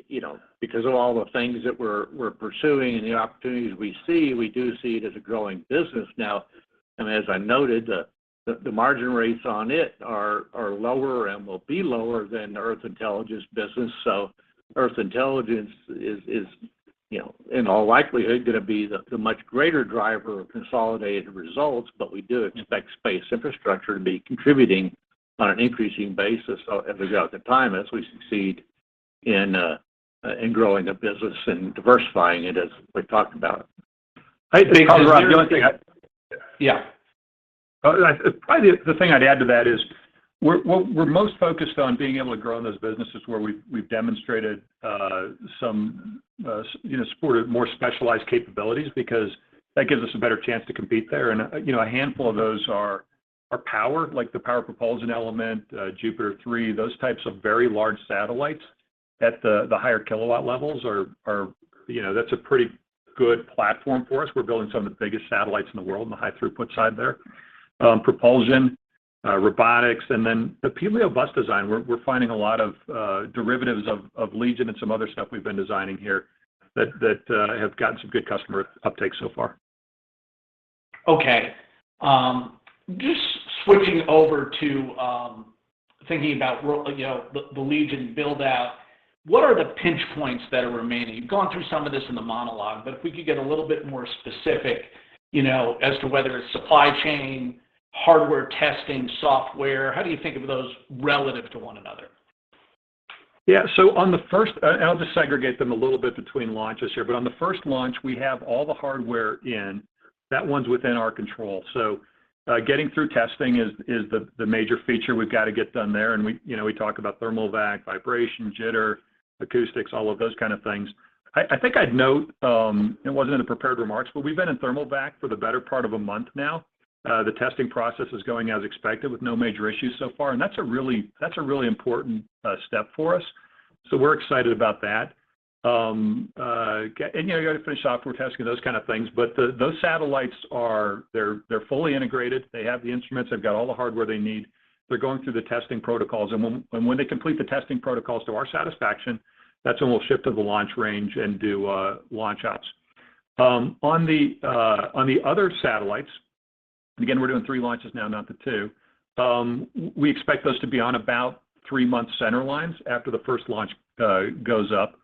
you know, because of all the things that we're pursuing and the opportunities we see, we do see it as a growing business now. As I noted, the margin rates on it are lower and will be lower than Earth Intelligence business. Earth Intelligence is, you know, in all likelihood gonna be the much greater driver of consolidated results. We do expect space infrastructure to be contributing on an increasing basis throughout the time as we succeed in growing the business and diversifying it as we talked about. Hey, Dan. The only thing I- Yeah. Probably the thing I'd add to that is we're most focused on being able to grow in those businesses where we've demonstrated some you know supported more specialized capabilities because that gives us a better chance to compete there. You know, a handful of those are power. Like the Power and Propulsion Element, JUPITER 3, those types of very large satellites at the higher kilowatt levels are you know that's a pretty good platform for us. We're building some of the biggest satellites in the world on the high throughput side there. Propulsion, robotics, and then the Galileo bus design. We're finding a lot of derivatives of Legion and some other stuff we've been designing here that have gotten some good customer uptake so far. Okay. Just switching over to thinking about, you know, the Legion build-out. What are the pinch points that are remaining? You've gone through some of this in the monologue, but if we could get a little bit more specific, you know, as to whether it's supply chain, hardware testing, software. How do you think of those relative to one another? On the first launch, I'll just segregate them a little bit between launches here. On the first launch, we have all the hardware in. That one's within our control. Getting through testing is the major feature we've got to get done there. You know, we talk about thermal vac, vibration, jitter, acoustics, all of those kind of things. I think I'd note it wasn't in the prepared remarks, but we've been in thermal vac for the better part of a month now. The testing process is going as expected with no major issues so far, and that's a really important step for us. We're excited about that. You know, you gotta finish software testing and those kind of things. Those satellites are fully integrated. They have the instruments. They've got all the hardware they need. They're going through the testing protocols, and when they complete the testing protocols to our satisfaction, that's when we'll shift to the launch range and do launch outs. On the other satellites, and again, we're doing three launches now, not the two. We expect those to be on about three month center lines after the first launch goes up.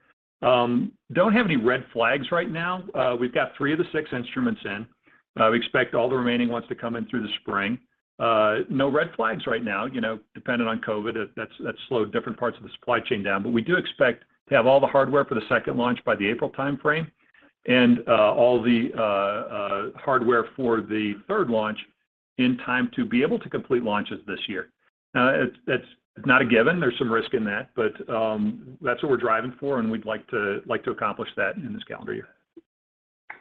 Don't have any red flags right now. We've got three of the six instruments in. We expect all the remaining ones to come in through the spring. No red flags right now. You know, dependent on COVID, that's slowed different parts of the supply chain down. We do expect to have all the hardware for the second launch by the April timeframe and all the hardware for the third launch in time to be able to complete launches this year. It's not a given. There's some risk in that. That's what we're driving for, and we'd like to accomplish that in this calendar year.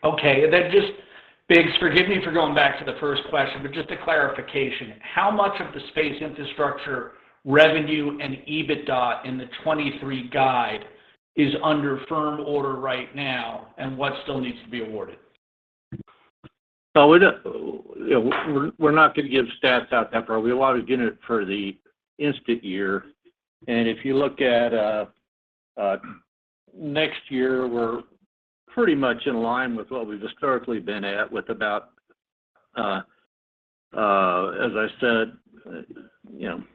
Okay. Just, Biggs, forgive me for going back to the first question, but just a clarification. How much of the space infrastructure revenue and EBITDA in the 2023 guide is under firm order right now, and what still needs to be awarded? We don't, we're not gonna give stats out that far. We're allowed to give it for the current year. If you look at next year, we're pretty much in line with what we've historically been at with about, as I said, 84%.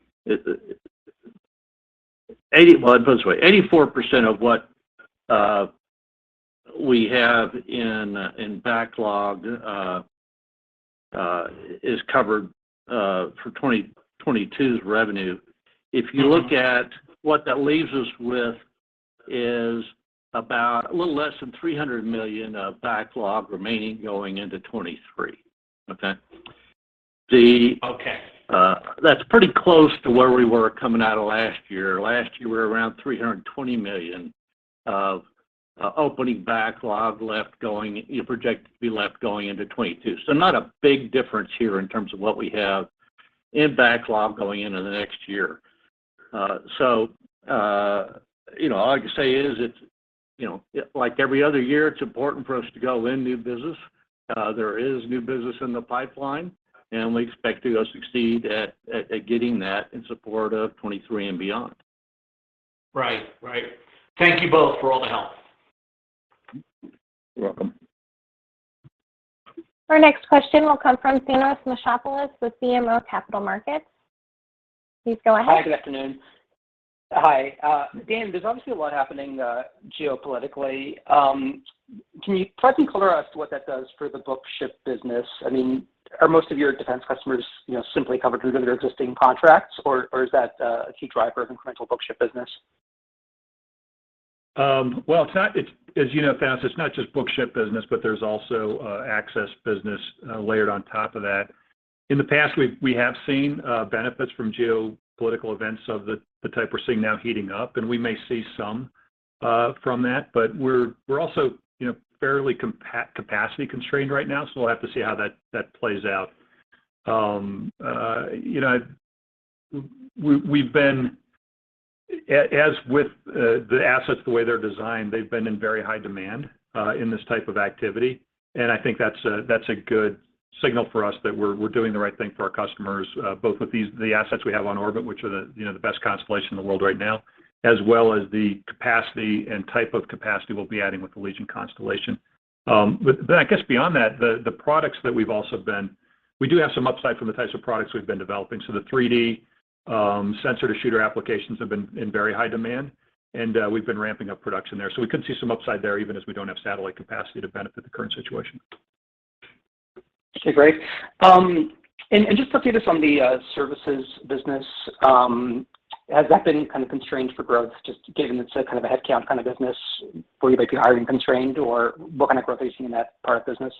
Well, let me put it this way. 84% of what we have in backlog is covered for 2022's revenue. If you look at what that leaves us with is about a little less than $300 million of backlog remaining going into 2023. Okay. That's pretty close to where we were coming out of last year. Last year, we were around $320 million of opening backlog left projected to be left going into 2022. Not a big difference here in terms of what we have in backlog going into the next year. You know, all I can say is it's. You know, yeah, like every other year, it's important for us to go win new business. There is new business in the pipeline, and we expect to succeed at getting that in support of 2023 and beyond. Right. Thank you both for all the help. You're welcome. Our next question will come from Thanos Moschopoulos with BMO Capital Markets. Please go ahead. Hi, good afternoon. Hi. Dan, there's obviously a lot happening geopolitically. Can you perhaps elaborate what that does for the book-to-bill business? I mean, are most of your defense customers, you know, simply covered within their existing contracts or is that a key driver of incremental book-to-bill business? Well, it's, as you know, Thanos, it's not just book-to-bill business, but there's also access business layered on top of that. In the past, we have seen benefits from geopolitical events of the type we're seeing now heating up, and we may see some from that. We're also, you know, fairly capacity constrained right now, so we'll have to see how that plays out. You know, we've been as with the assets, the way they're designed, they've been in very high demand in this type of activity, and I think that's a good signal for us that we're doing the right thing for our customers both with these assets we have on orbit, which are you know the best constellation in the world right now, as well as the capacity and type of capacity we'll be adding with the Legion constellation. I guess beyond that, the products that we've also been developing. We do have some upside from the types of products we've been developing. The 3D sensor-to-shooter applications have been in very high demand, and we've been ramping up production there. We could see some upside there, even as we don't have satellite capacity to benefit the current situation. Okay. Great. Just to update us on the services business, has that been kind of constrained for growth just given it's a kind of a headcount kind of business where you might be hiring constrained, or what kind of growth are you seeing in that part of the business?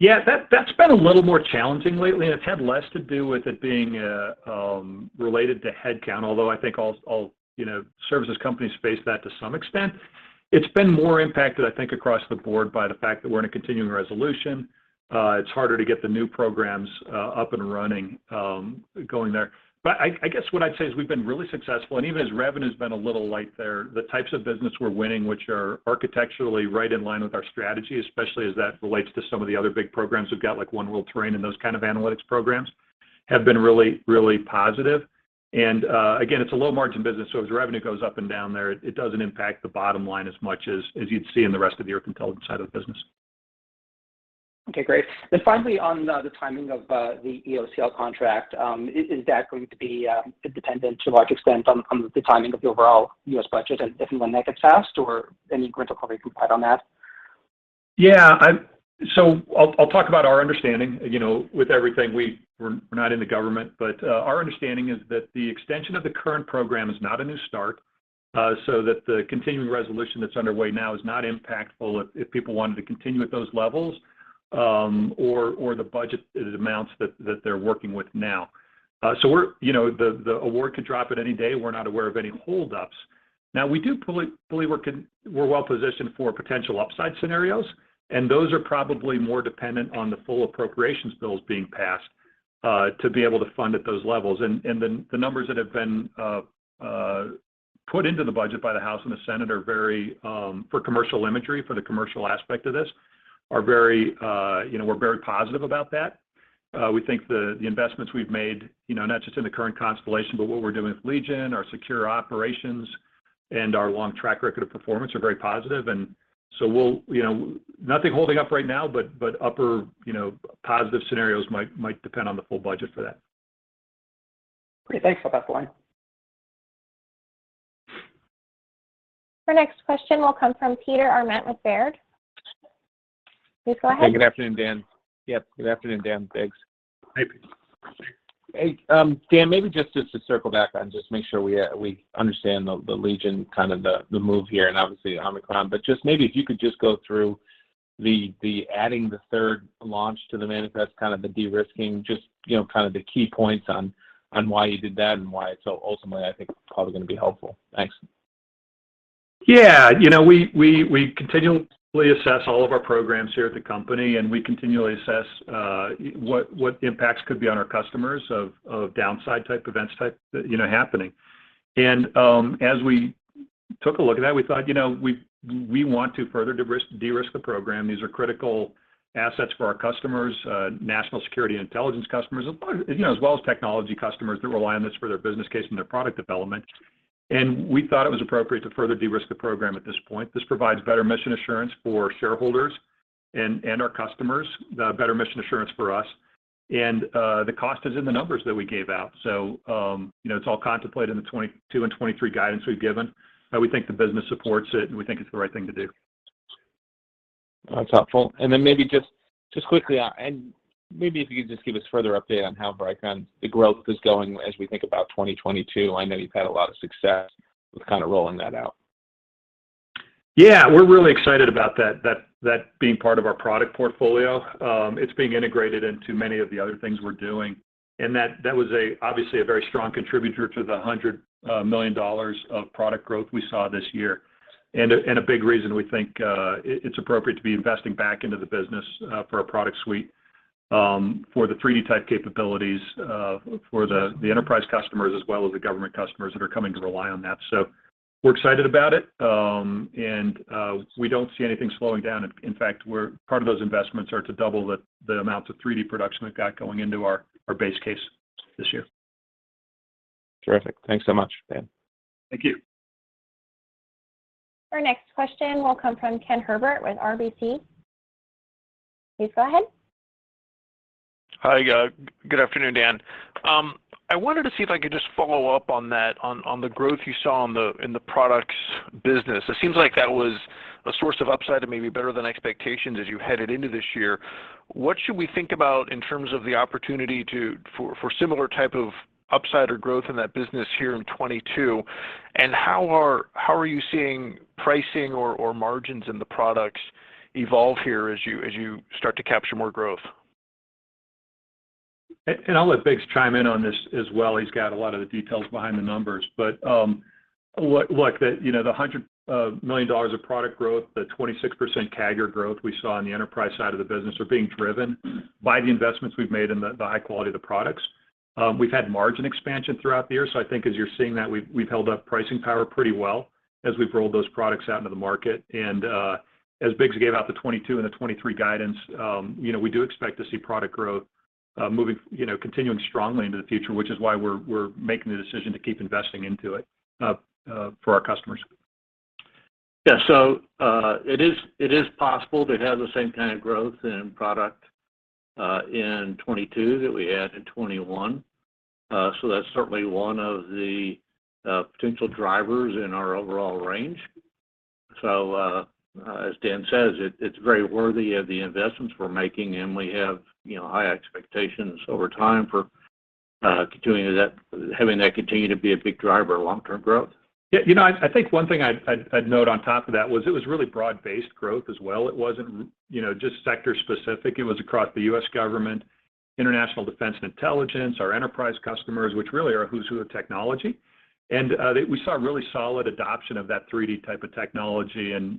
Yeah, that's been a little more challenging lately, and it's had less to do with it being related to headcount, although I think all you know, services companies face that to some extent. It's been more impacted, I think, across the board by the fact that we're in a continuing resolution. It's harder to get the new programs up and running, going there. I guess what I'd say is we've been really successful. Even as revenue's been a little light there, the types of business we're winning, which are architecturally right in line with our strategy, especially as that relates to some of the other big programs we've got, like One World Terrain and those kind of analytics programs, have been really, really positive. Again, it's a low margin business, so as revenue goes up and down there, it doesn't impact the bottom line as much as you'd see in the rest of the Earth Intelligence side of the business. Okay. Great. Finally, on the timing of the EOCL contract, is that going to be dependent to a large extent on the timing of the overall U.S. budget and if and when that gets passed, or any grant or contract you can put on that? Yeah. I'll talk about our understanding. With everything, we're not in the government, but our understanding is that the extension of the current program is not a new start, so that the continuing resolution that's underway now is not impactful if people wanted to continue at those levels, or the budget amounts that they're working with now. The award could drop any day. We're not aware of any holdups. We do believe we're well positioned for potential upside scenarios, and those are probably more dependent on the full appropriations bills being passed to be able to fund at those levels. The numbers that have been put into the budget by the House and the Senate are very for commercial imagery, for the commercial aspect of this, are very, you know, we're very positive about that. We think the investments we've made, you know, not just in the current constellation, but what we're doing with Legion, our secure operations, and our long track record of performance are very positive. We'll, you know, nothing holding up right now, but upper, you know, positive scenarios might depend on the full budget for that. Great. Thanks for that, Dan. Our next question will come from Peter Arment with Baird. Please go ahead. Hey, good afternoon, Dan. Yep. Good afternoon, Dan. Thanks. Hi, Peter. Hey, Dan, maybe just to circle back on just make sure we understand the Legion kind of the move here and obviously Omicron, but just maybe if you could just go through the adding the third launch to the manifest, kind of the de-risking, just you know kind of the key points on why you did that and why it's so ultimately, I think, probably gonna be helpful. Thanks. You know, we continually assess all of our programs here at the company, and we continually assess what the impacts could be on our customers of downside type events, you know, happening. As we took a look at that, we thought, you know, we want to further de-risk the program. These are critical assets for our customers, national security intelligence customers, as well as technology customers that rely on this for their business case and their product development. We thought it was appropriate to further de-risk the program at this point. This provides better mission assurance for shareholders and our customers, better mission assurance for us. The cost is in the numbers that we gave out. You know, it's all contemplated in the 2022 and 2023 guidance we've given. We think the business supports it, and we think it's the right thing to do. That's helpful. Maybe just quickly, maybe if you could just give us further update on how Vricon, the growth is going as we think about 2022. I know you've had a lot of success with kind of rolling that out. Yeah. We're really excited about that being part of our product portfolio. It's being integrated into many of the other things we're doing. That was obviously a very strong contributor to the $100 million of product growth we saw this year and a big reason we think it's appropriate to be investing back into the business for our product suite for the 3D-type capabilities for the enterprise customers as well as the government customers that are coming to rely on that. We're excited about it and we don't see anything slowing down. In fact, part of those investments are to double the amounts of 3D production we've got going into our base case this year. Terrific. Thanks so much, Dan. Thank you. Our next question will come from Ken Herbert with RBC. Please go ahead. Hi. Good afternoon, Dan. I wanted to see if I could just follow up on that, on the growth you saw in the products business. It seems like that was a source of upside and maybe better than expectations as you headed into this year. What should we think about in terms of the opportunity for similar type of upside or growth in that business here in 2022? How are you seeing pricing or margins in the products evolve here as you start to capture more growth? I'll let Biggs chime in on this as well. He's got a lot of the details behind the numbers. Look, the $100 million of product growth, the 26% CAGR growth we saw on the enterprise side of the business are being driven by the investments we've made and the high quality of the products. We've had margin expansion throughout the year, so I think as you're seeing that, we've held up pricing power pretty well as we've rolled those products out into the market. As Biggs gave out the 2022 and the 2023 guidance, we do expect to see product growth moving continuing strongly into the future, which is why we're making the decision to keep investing into it for our customers. It is possible to have the same kind of growth in product in 2022 that we had in 2021. That's certainly one of the potential drivers in our overall range. As Dan says, it's very worthy of the investments we're making, and we have, you know, high expectations over time for having that continue to be a big driver of long-term growth. Yeah. You know, I think one thing I'd note on top of that was it was really broad-based growth as well. It wasn't, you know, just sector specific. It was across the U.S. government, international defense and intelligence, our enterprise customers, which really are a who's who of technology. We saw really solid adoption of that 3D type of technology and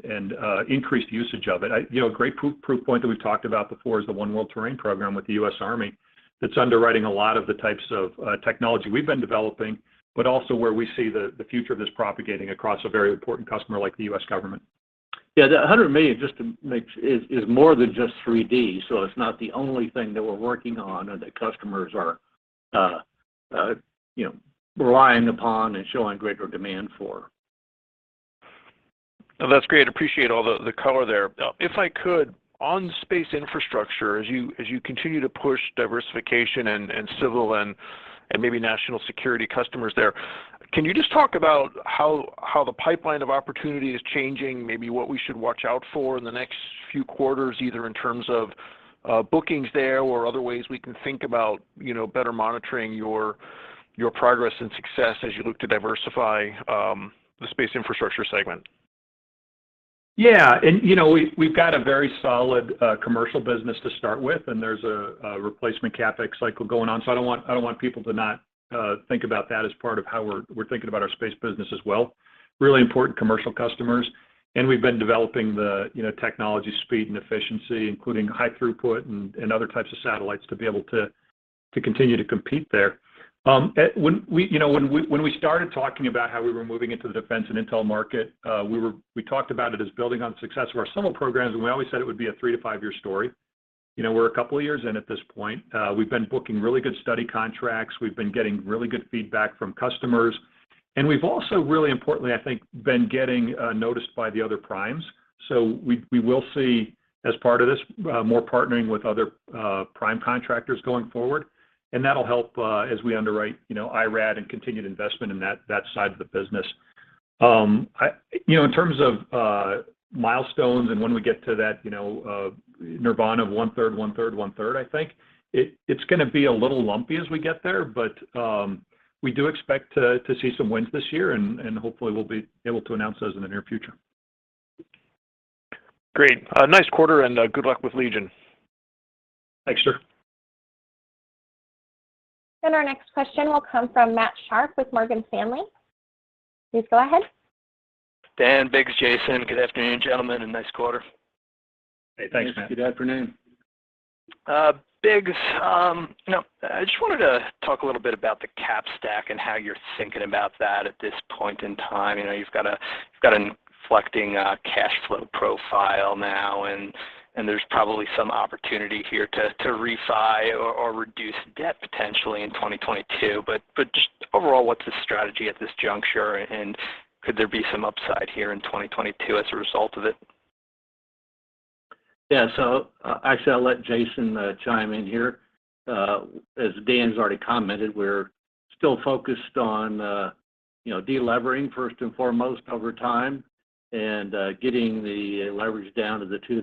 increased usage of it. You know, a great proof point that we've talked about before is the One World Terrain program with the U.S. Army that's underwriting a lot of the types of technology we've been developing, but also where we see the future of this propagating across a very important customer like the U.S. government. Yeah. The $100 million just to make sure is more than just 3D, so it's not the only thing that we're working on or that customers are, you know, relying upon and showing greater demand for. That's great. Appreciate all the color there. If I could, on space infrastructure, as you continue to push diversification and civil and maybe national security customers there, can you just talk about how the pipeline of opportunity is changing, maybe what we should watch out for in the next few quarters, either in terms of bookings there or other ways we can think about, you know, better monitoring your progress and success as you look to diversify the space infrastructure segment? You know, we've got a very solid commercial business to start with, and there's a replacement CapEx cycle going on. I don't want people to not think about that as part of how we're thinking about our space business as well. Really important commercial customers, and we've been developing the, you know, technology, speed, and efficiency, including high throughput and other types of satellites to be able to continue to compete there. You know, when we started talking about how we were moving into the defense and intel market, we talked about it as building on success of our civil programs, and we always said it would be a three to five year story. You know, we're a couple of years in at this point. We've been booking really good study contracts. We've been getting really good feedback from customers. We've also really importantly, I think, been getting noticed by the other primes. We will see as part of this more partnering with other prime contractors going forward, and that'll help as we underwrite, you know, IRAD and continued investment in that side of the business. You know, in terms of milestones and when we get to that nirvana of one-third, one-third, one-third, I think it's gonna be a little lumpy as we get there, but we do expect to see some wins this year, and hopefully we'll be able to announce those in the near future. Great. Nice quarter, and good luck with Legion. Thanks, sir. Our next question will come from Matt Sharpe with Morgan Stanley. Please go ahead. Dan, Biggs, Jason. Good afternoon, gentlemen, and nice quarter. Hey, thanks, Matt. Yes. Good afternoon. Biggs, you know, I just wanted to talk a little bit about the cap stack and how you're thinking about that at this point in time. You know, you've got an inflecting cash flow profile now, and there's probably some opportunity here to refi or reduce debt potentially in 2022. Just overall, what's the strategy at this juncture, and could there be some upside here in 2022 as a result of it? Yeah. Actually, I'll let Jason chime in here. As Dan's already commented, we're still focused on, you know, de-levering first and foremost over time and getting the leverage down to the two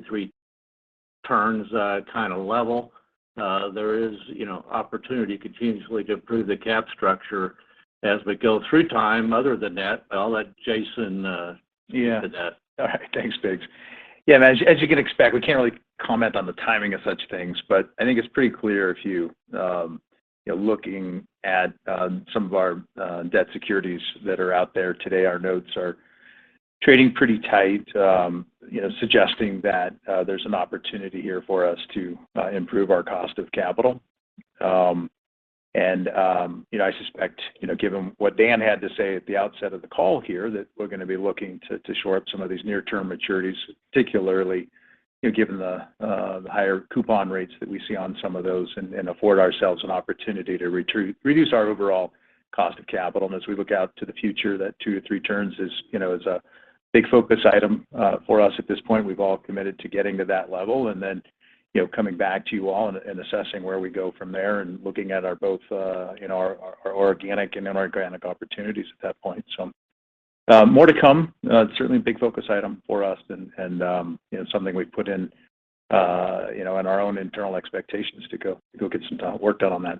to three turns kind of level. There is, you know, opportunity continuously to improve the cap structure as we go through time. Other than that, I'll let Jason Yeah to that. All right. Thanks, Biggs. Yeah. As you can expect, we can't really comment on the timing of such things, but I think it's pretty clear if you know, looking at, some of our, debt securities that are out there today, our notes are Trading pretty tight, you know, suggesting that there's an opportunity here for us to improve our cost of capital. You know, I suspect, you know, given what Dan had to say at the outset of the call here, that we're gonna be looking to shore up some of these near-term maturities, particularly, you know, given the higher coupon rates that we see on some of those, and afford ourselves an opportunity to reduce our overall cost of capital. As we look out to the future, that 2-3 turns is a big focus item for us at this point. We've all committed to getting to that level, and then, you know, coming back to you all and assessing where we go from there, and looking at our both, you know, our organic and inorganic opportunities at that point. More to come. Certainly a big focus item for us and, you know, something we've put in, you know, in our own internal expectations to go get some work done on that.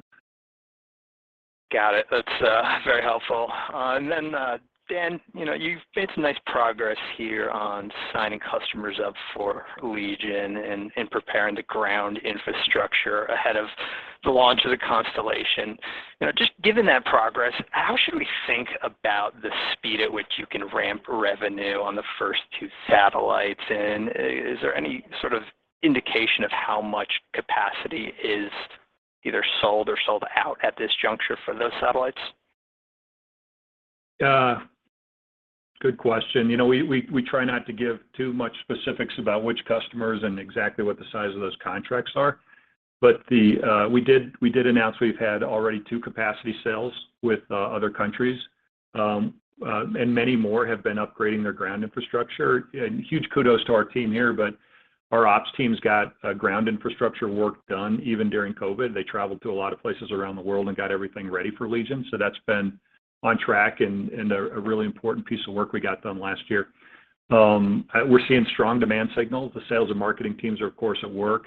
Got it. That's very helpful. Dan, you know, you've made some nice progress here on signing customers up for Legion and preparing the ground infrastructure ahead of the launch of the constellation. You know, just given that progress, how should we think about the speed at which you can ramp revenue on the first two satellites? Is there any sort of indication of how much capacity is either sold or sold out at this juncture for those satellites? Good question. You know, we try not to give too much specifics about which customers and exactly what the size of those contracts are, but the. We did announce we've had already two capacity sales with other countries. Many more have been upgrading their ground infrastructure. Huge kudos to our team here, but our ops team's got ground infrastructure work done even during COVID. They traveled to a lot of places around the world and got everything ready for Legion. That's been on track and a really important piece of work we got done last year. We're seeing strong demand signals. The sales and marketing teams are, of course, at work.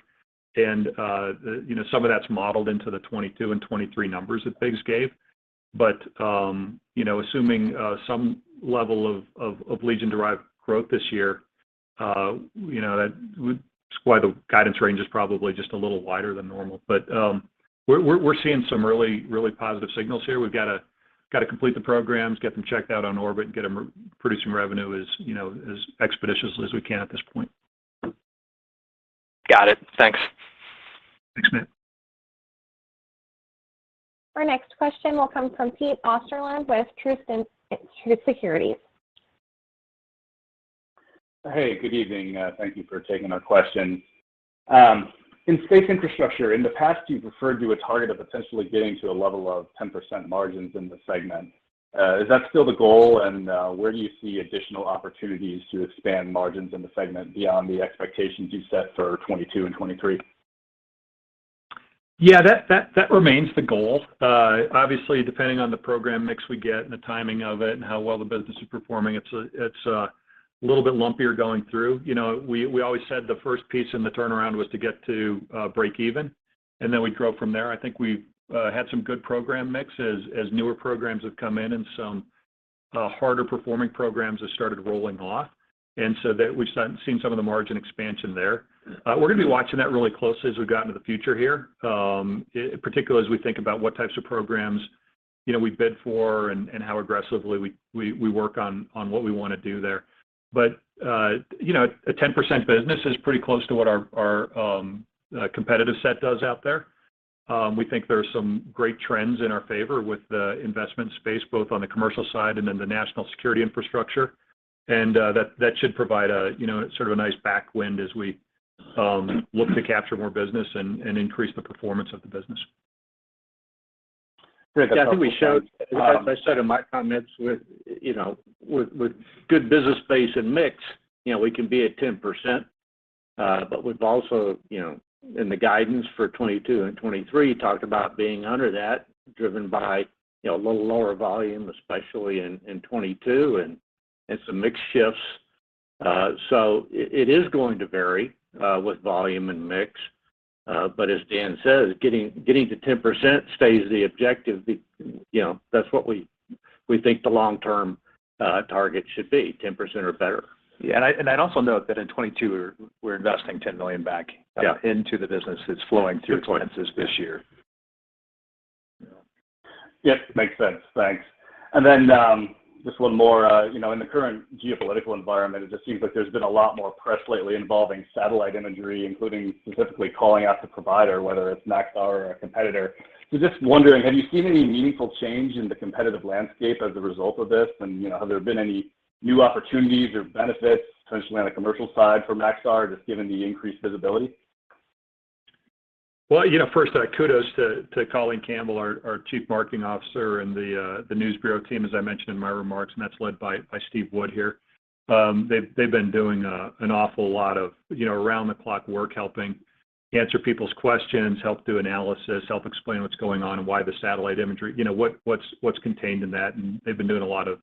The, you know, some of that's modeled into the 2022 and 2023 numbers that Biggs gave. You know, assuming some level of Legion-derived growth this year, you know, that's why the guidance range is probably just a little wider than normal. We're seeing some really positive signals here. We've got to complete the programs, get them checked out on orbit, and get them producing revenue as you know, as expeditiously as we can at this point. Got it. Thanks. Thanks, Matt. Our next question will come from Peter Osterland with Truist Securities. Hey, good evening. Thank you for taking our question. In space infrastructure, in the past, you've referred to a target of potentially getting to a level of 10% margins in the segment. Is that still the goal, and where do you see additional opportunities to expand margins in the segment beyond the expectations you set for 2022 and 2023? Yeah, that remains the goal. Obviously, depending on the program mix we get and the timing of it and how well the business is performing, it's a little bit lumpier going through. You know, we always said the first piece in the turnaround was to get to breakeven, and then we'd grow from there. I think we've had some good program mix as newer programs have come in and some harder performing programs have started rolling off. That we've seen some of the margin expansion there. We're gonna be watching that really closely as we get into the future here. Particularly as we think about what types of programs, you know, we bid for and how aggressively we work on what we wanna do there. You know, a 10% business is pretty close to what our competitive set does out there. We think there are some great trends in our favor with the investment space, both on the commercial side and in the national security infrastructure. That should provide a you know, sort of a nice backwind as we look to capture more business and increase the performance of the business. I think we showed. Um- As I said in my comments, with you know, with good business base and mix, you know, we can be at 10%. We've also, you know, in the guidance for 2022 and 2023, talked about being under that, driven by, you know, a little lower volume, especially in 2022 and some mix shifts. It is going to vary with volume and mix. As Dan says, getting to 10% stays the objective. You know, that's what we think the long-term target should be, 10% or better. I'd also note that in 2022 we're investing $10 million back- Yeah Into the business that's flowing through expenses this year. Yeah. Yep. Makes sense. Thanks. Just one more. You know, in the current geopolitical environment, it just seems like there's been a lot more press lately involving satellite imagery, including specifically calling out the provider, whether it's Maxar or a competitor. Just wondering, have you seen any meaningful change in the competitive landscape as a result of this? You know, have there been any new opportunities or benefits potentially on the commercial side for Maxar, just given the increased visibility? Well, you know, first, kudos to Colleen Campbell, our Chief Marketing Officer, and the News Bureau team, as I mentioned in my remarks, and that's led by Steve Wood here. They've been doing an awful lot of, you know, around the clock work, helping answer people's questions, help do analysis, help explain what's going on and why the satellite imagery, you know, what's contained in that. They've been doing a lot of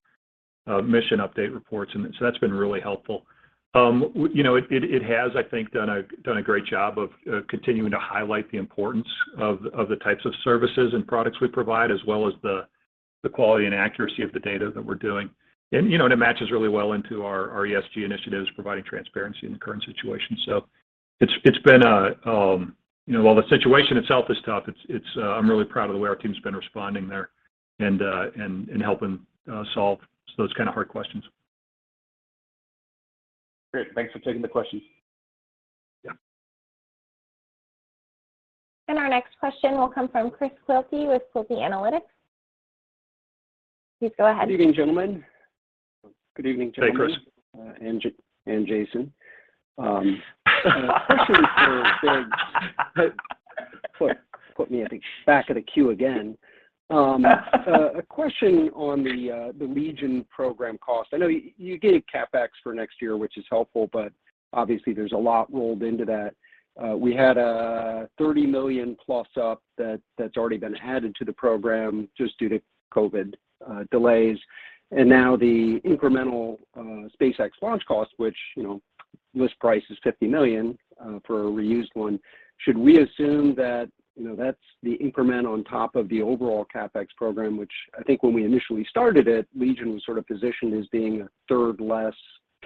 mission update reports, and so that's been really helpful. You know, it has, I think, done a great job of continuing to highlight the importance of the types of services and products we provide, as well as the quality and accuracy of the data that we're doing. You know, it matches really well into our ESG initiatives, providing transparency in the current situation. It's been a, you know, while the situation itself is tough, I'm really proud of the way our team's been responding there and helping solve those kind of hard questions. Great. Thanks for taking the questions. Yeah. Our next question will come from Chris Quilty with Quilty Analytics. Please go ahead. Good evening, gentlemen. Good evening, Tony. Hey, Chris Jason. A question for Biggs. Put me, I think, back at a queue again. A question on the Legion program cost. I know you gave CapEx for next year, which is helpful, but obviously there's a lot rolled into that. We had a $30 million plus-up that's already been added to the program just due to COVID delays. Now the incremental SpaceX launch cost, which, you know, list price is $50 million for a reused one. Should we assume that, you know, that's the increment on top of the overall CapEx program, which I think when we initially started it, Legion was sort of positioned as being a third less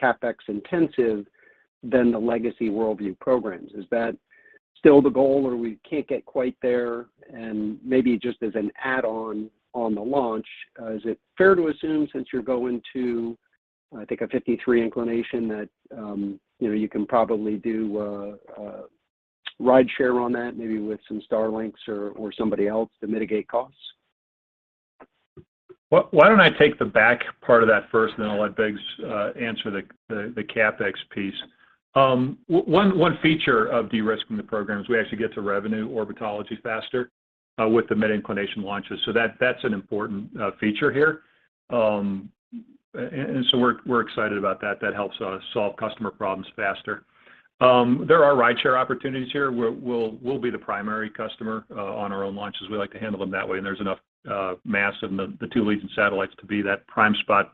CapEx intensive than the legacy WorldView programs. Is that still the goal or we can't get quite there and maybe just as an add-on on the launch? Is it fair to assume since you're going to, I think, a 53 inclination that, you know, you can probably do a ride share on that maybe with some Starlink or somebody else to mitigate costs? Well, why don't I take the back part of that first, and then I'll let Biggs answer the CapEx piece. One feature of de-risking the program is we actually get to revenue operability faster with the mid-inclination launches. That's an important feature here. We're excited about that. That helps us solve customer problems faster. There are ride share opportunities here. We'll be the primary customer on our own launches. We like to handle them that way, and there's enough mass in the two Legion satellites to be that prime spot.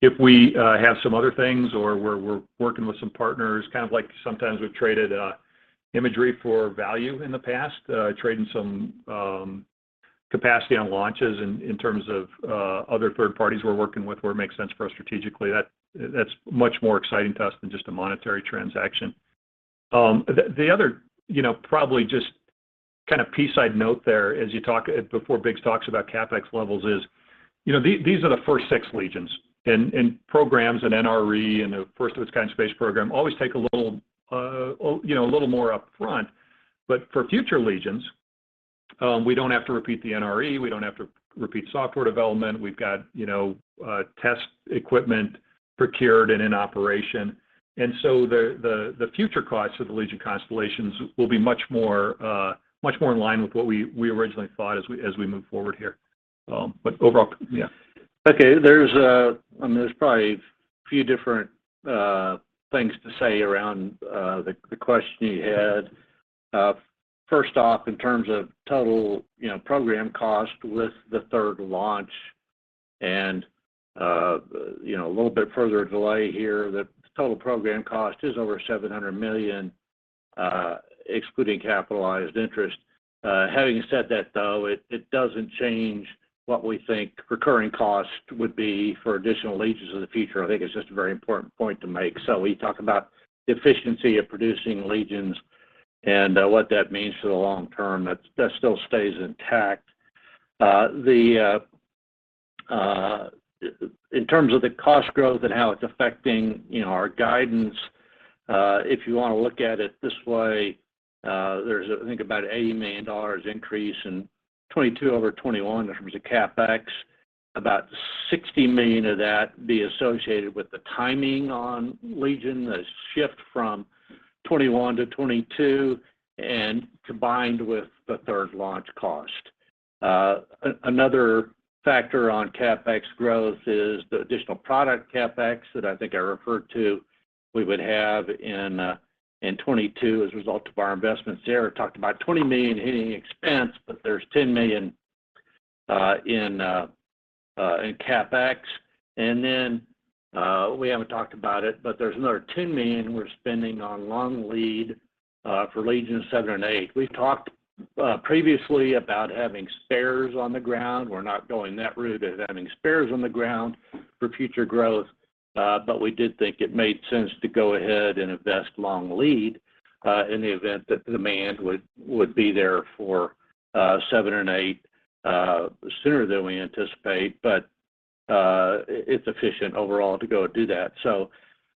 If we have some other things or we're working with some partners, kind of like sometimes we've traded imagery for value in the past, trading some capacity on launches in terms of other third parties we're working with where it makes sense for us strategically, that's much more exciting to us than just a monetary transaction. The other, you know, probably just kind of piece I'd note there as you talk before Biggs talks about CapEx levels is, you know, these are the first six Legions. And programs and NRE and a first of its kind space program always take a little, you know, a little more up front. For future Legions, we don't have to repeat the NRE, we don't have to repeat software development. We've got, you know, test equipment procured and in operation. The future costs of the Legion constellations will be much more in line with what we originally thought as we move forward here. But overall, yeah. Okay. There's, I mean, there's probably a few different things to say around the question you had. First off, in terms of total, you know, program cost with the third launch and, you know, a little bit further delay here, the total program cost is over $700 million, excluding capitalized interest. Having said that though, it doesn't change what we think recurring costs would be for additional Legions of the future. I think it's just a very important point to make. We talk about the efficiency of producing Legions and what that means for the long term. That still stays intact. In terms of the cost growth and how it's affecting, you know, our guidance, if you want to look at it this way, there's I think about $80 million increase in 2022 over 2021 in terms of CapEx. About $60 million of that be associated with the timing on Legion, the shift from 2021-2022, and combined with the third launch cost. Another factor on CapEx growth is the additional product CapEx that I think I referred to we would have in 2022 as a result of our investments there. Talked about $20 million hitting expense, but there's $10 million in CapEx. Then, we haven't talked about it, but there's another $10 million we're spending on long lead for Legion seven and eight. We've talked previously about having spares on the ground. We're not going that route as having spares on the ground for future growth. We did think it made sense to go ahead and invest long lead in the event that demand would be there for seven and eight sooner than we anticipate. It's efficient overall to go do that.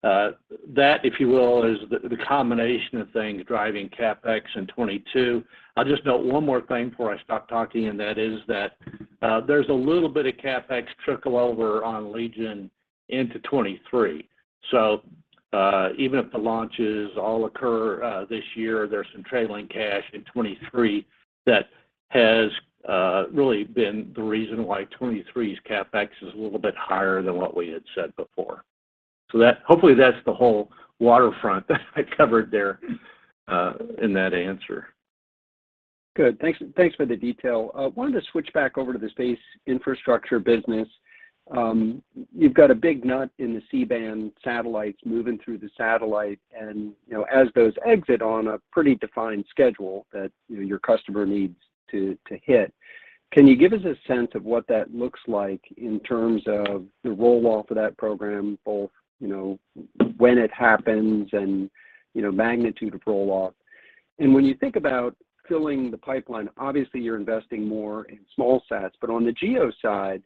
That, if you will, is the combination of things driving CapEx in 2022. I'll just note one more thing before I stop talking, and that is that there's a little bit of CapEx trickle over on Legion into 2023. Even if the launches all occur this year, there's some trailing cash in 2023 that has really been the reason why 2023's CapEx is a little bit higher than what we had said before. That, hopefully, that's the whole waterfront I covered there in that answer. Good. Thanks for the detail. I wanted to switch back over to the space infrastructure business. You've got a big run of the C-band satellites moving through the pipeline, and you know, as those exit on a pretty defined schedule that, you know, your customer needs to hit. Can you give us a sense of what that looks like in terms of the roll-off of that program, both, you know, when it happens and, you know, magnitude of roll-off? When you think about filling the pipeline, obviously you're investing more in small sats. On the geo side,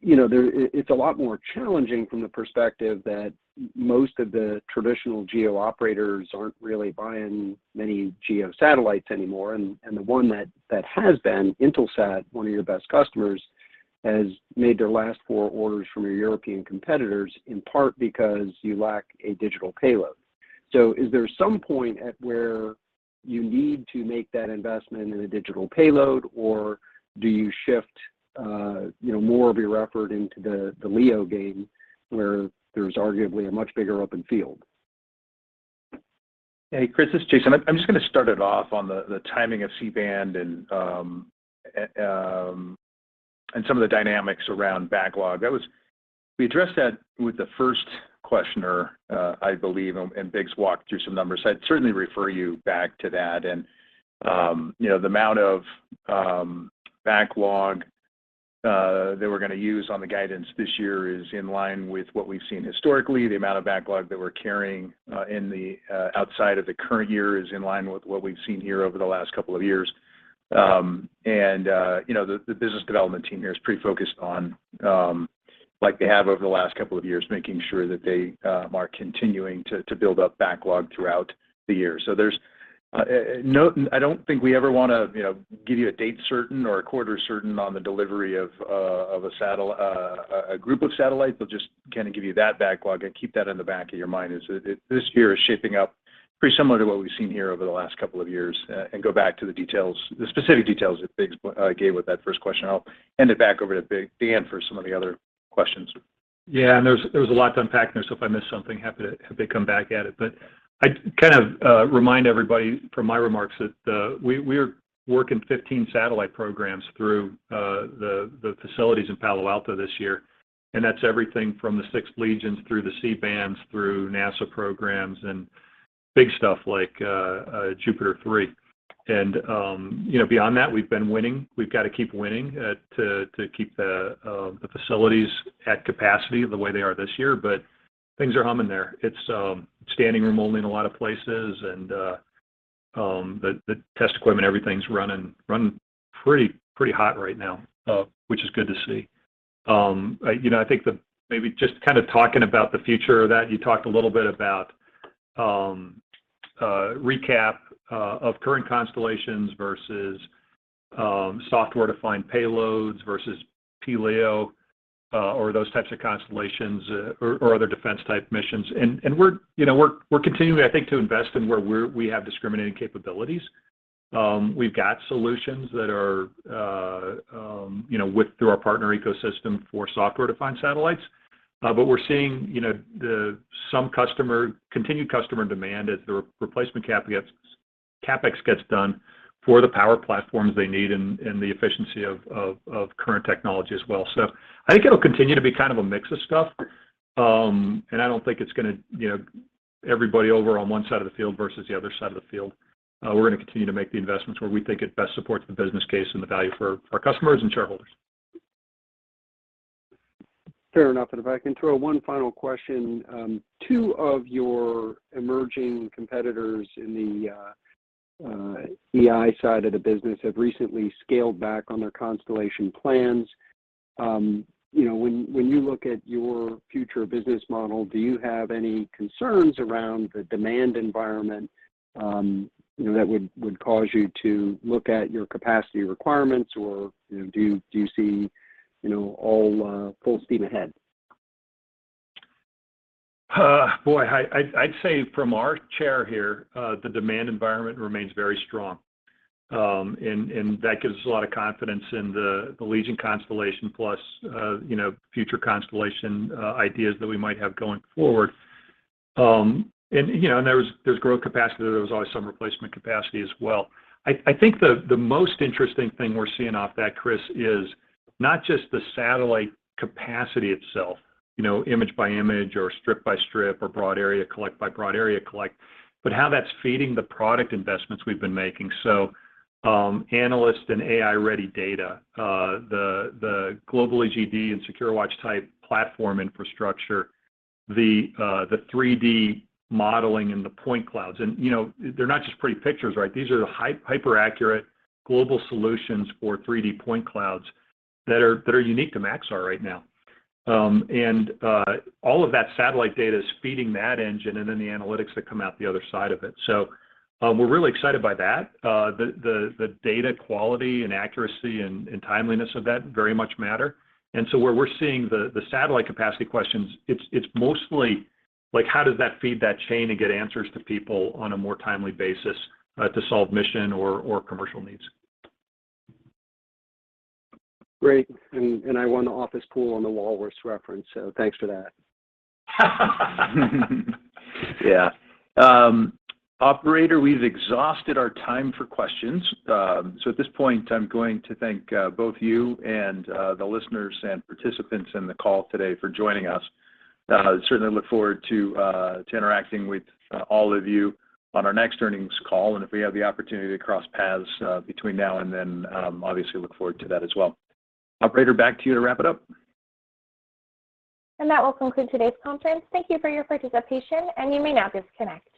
you know, it's a lot more challenging from the perspective that most of the traditional geo operators aren't really buying many geo satellites anymore. The one that has been Intelsat, one of your best customers, has made their last four orders from your European competitors, in part because you lack a digital payload. Is there some point at where you need to make that investment in a digital payload, or do you shift more of your effort into the LEO game, where there's arguably a much bigger open field? Hey, Chris, this is Jason. I'm just gonna start it off on the timing of C-band and some of the dynamics around backlog. We addressed that with the first questioner, I believe, and Biggs walked through some numbers. I'd certainly refer you back to that. You know, the amount of backlog that we're gonna use on the guidance this year is in line with what we've seen historically. The amount of backlog that we're carrying in the outside of the current year is in line with what we've seen here over the last couple of years. You know, the business development team here is pretty focused on, like they have over the last couple of years, making sure that they are continuing to build up backlog throughout the year. I don't think we ever wanna, you know, give you a date certain or a quarter certain on the delivery of a group of satellites, but just kind of give you that backlog and keep that in the back of your mind as this year is shaping up pretty similar to what we've seen here over the last couple of years. Go back to the details, the specific details that Biggs gave with that first question. I'll hand it back over to Dan for some of the other questions. Yeah, there was a lot to unpack there, so if I missed something, happy to come back at it. I'd kind of remind everybody from my remarks that we're working 15 satellite programs through the facilities in Palo Alto this year, and that's everything from the 6th Legion through the C-bands, through NASA programs, and big stuff like JUPITER 3. You know, beyond that, we've been winning. We've got to keep winning to keep the facilities at capacity the way they are this year. Things are humming there. It's standing room only in a lot of places, and the test equipment, everything's running pretty hot right now, which is good to see. I think the maybe just kind of talking about the future of that. You talked a little bit about a recap of current constellations versus software-defined payloads versus pLEO or those types of constellations or other defense type missions. We're continuing, I think, to invest in where we have discriminating capabilities. We've got solutions that are you know with through our partner ecosystem for software-defined satellites. But we're seeing some customer continued customer demand as the replacement CapEx gets done for the power platforms they need and the efficiency of current technology as well. I think it'll continue to be kind of a mix of stuff. I don't think it's gonna, you know, everybody over on one side of the field versus the other side of the field. We're gonna continue to make the investments where we think it best supports the business case and the value for our customers and shareholders. Fair enough. If I can throw one final question. Two of your emerging competitors in the EI side of the business have recently scaled back on their constellation plans. You know, when you look at your future business model, do you have any concerns around the demand environment, you know, that would cause you to look at your capacity requirements, or, you know, do you see, you know, all full steam ahead? Boy, I'd say from our chair here, the demand environment remains very strong. That gives us a lot of confidence in the Legion constellation plus, you know, future constellation ideas that we might have going forward. There's growth capacity, there's always some replacement capacity as well. I think the most interesting thing we're seeing off that, Chris, is not just the satellite capacity itself, you know, image by image or strip by strip or broad area collect by broad area collect, but how that's feeding the product investments we've been making. Analyst and AI-ready data, the global EGD and SecureWatch type platform infrastructure, the 3D modeling and the point clouds. They're not just pretty pictures, right? These are the hyper-accurate global solutions for 3D point clouds that are unique to Maxar right now. All of that satellite data is feeding that engine and then the analytics that come out the other side of it. We're really excited by that. The data quality and accuracy and timeliness of that very much matter. Where we're seeing the satellite capacity questions, it's mostly like, how does that feed that chain and get answers to people on a more timely basis, to solve mission or commercial needs. Great. I won the office pool on the Walrus reference, so thanks for that. Yeah. Operator, we've exhausted our time for questions. At this point, I'm going to thank both you and the listeners and participants in the call today for joining us. Certainly look forward to interacting with all of you on our next earnings call. If we have the opportunity to cross paths between now and then, obviously look forward to that as well. Operator, back to you to wrap it up. That will conclude today's conference. Thank you for your participation, and you may now disconnect.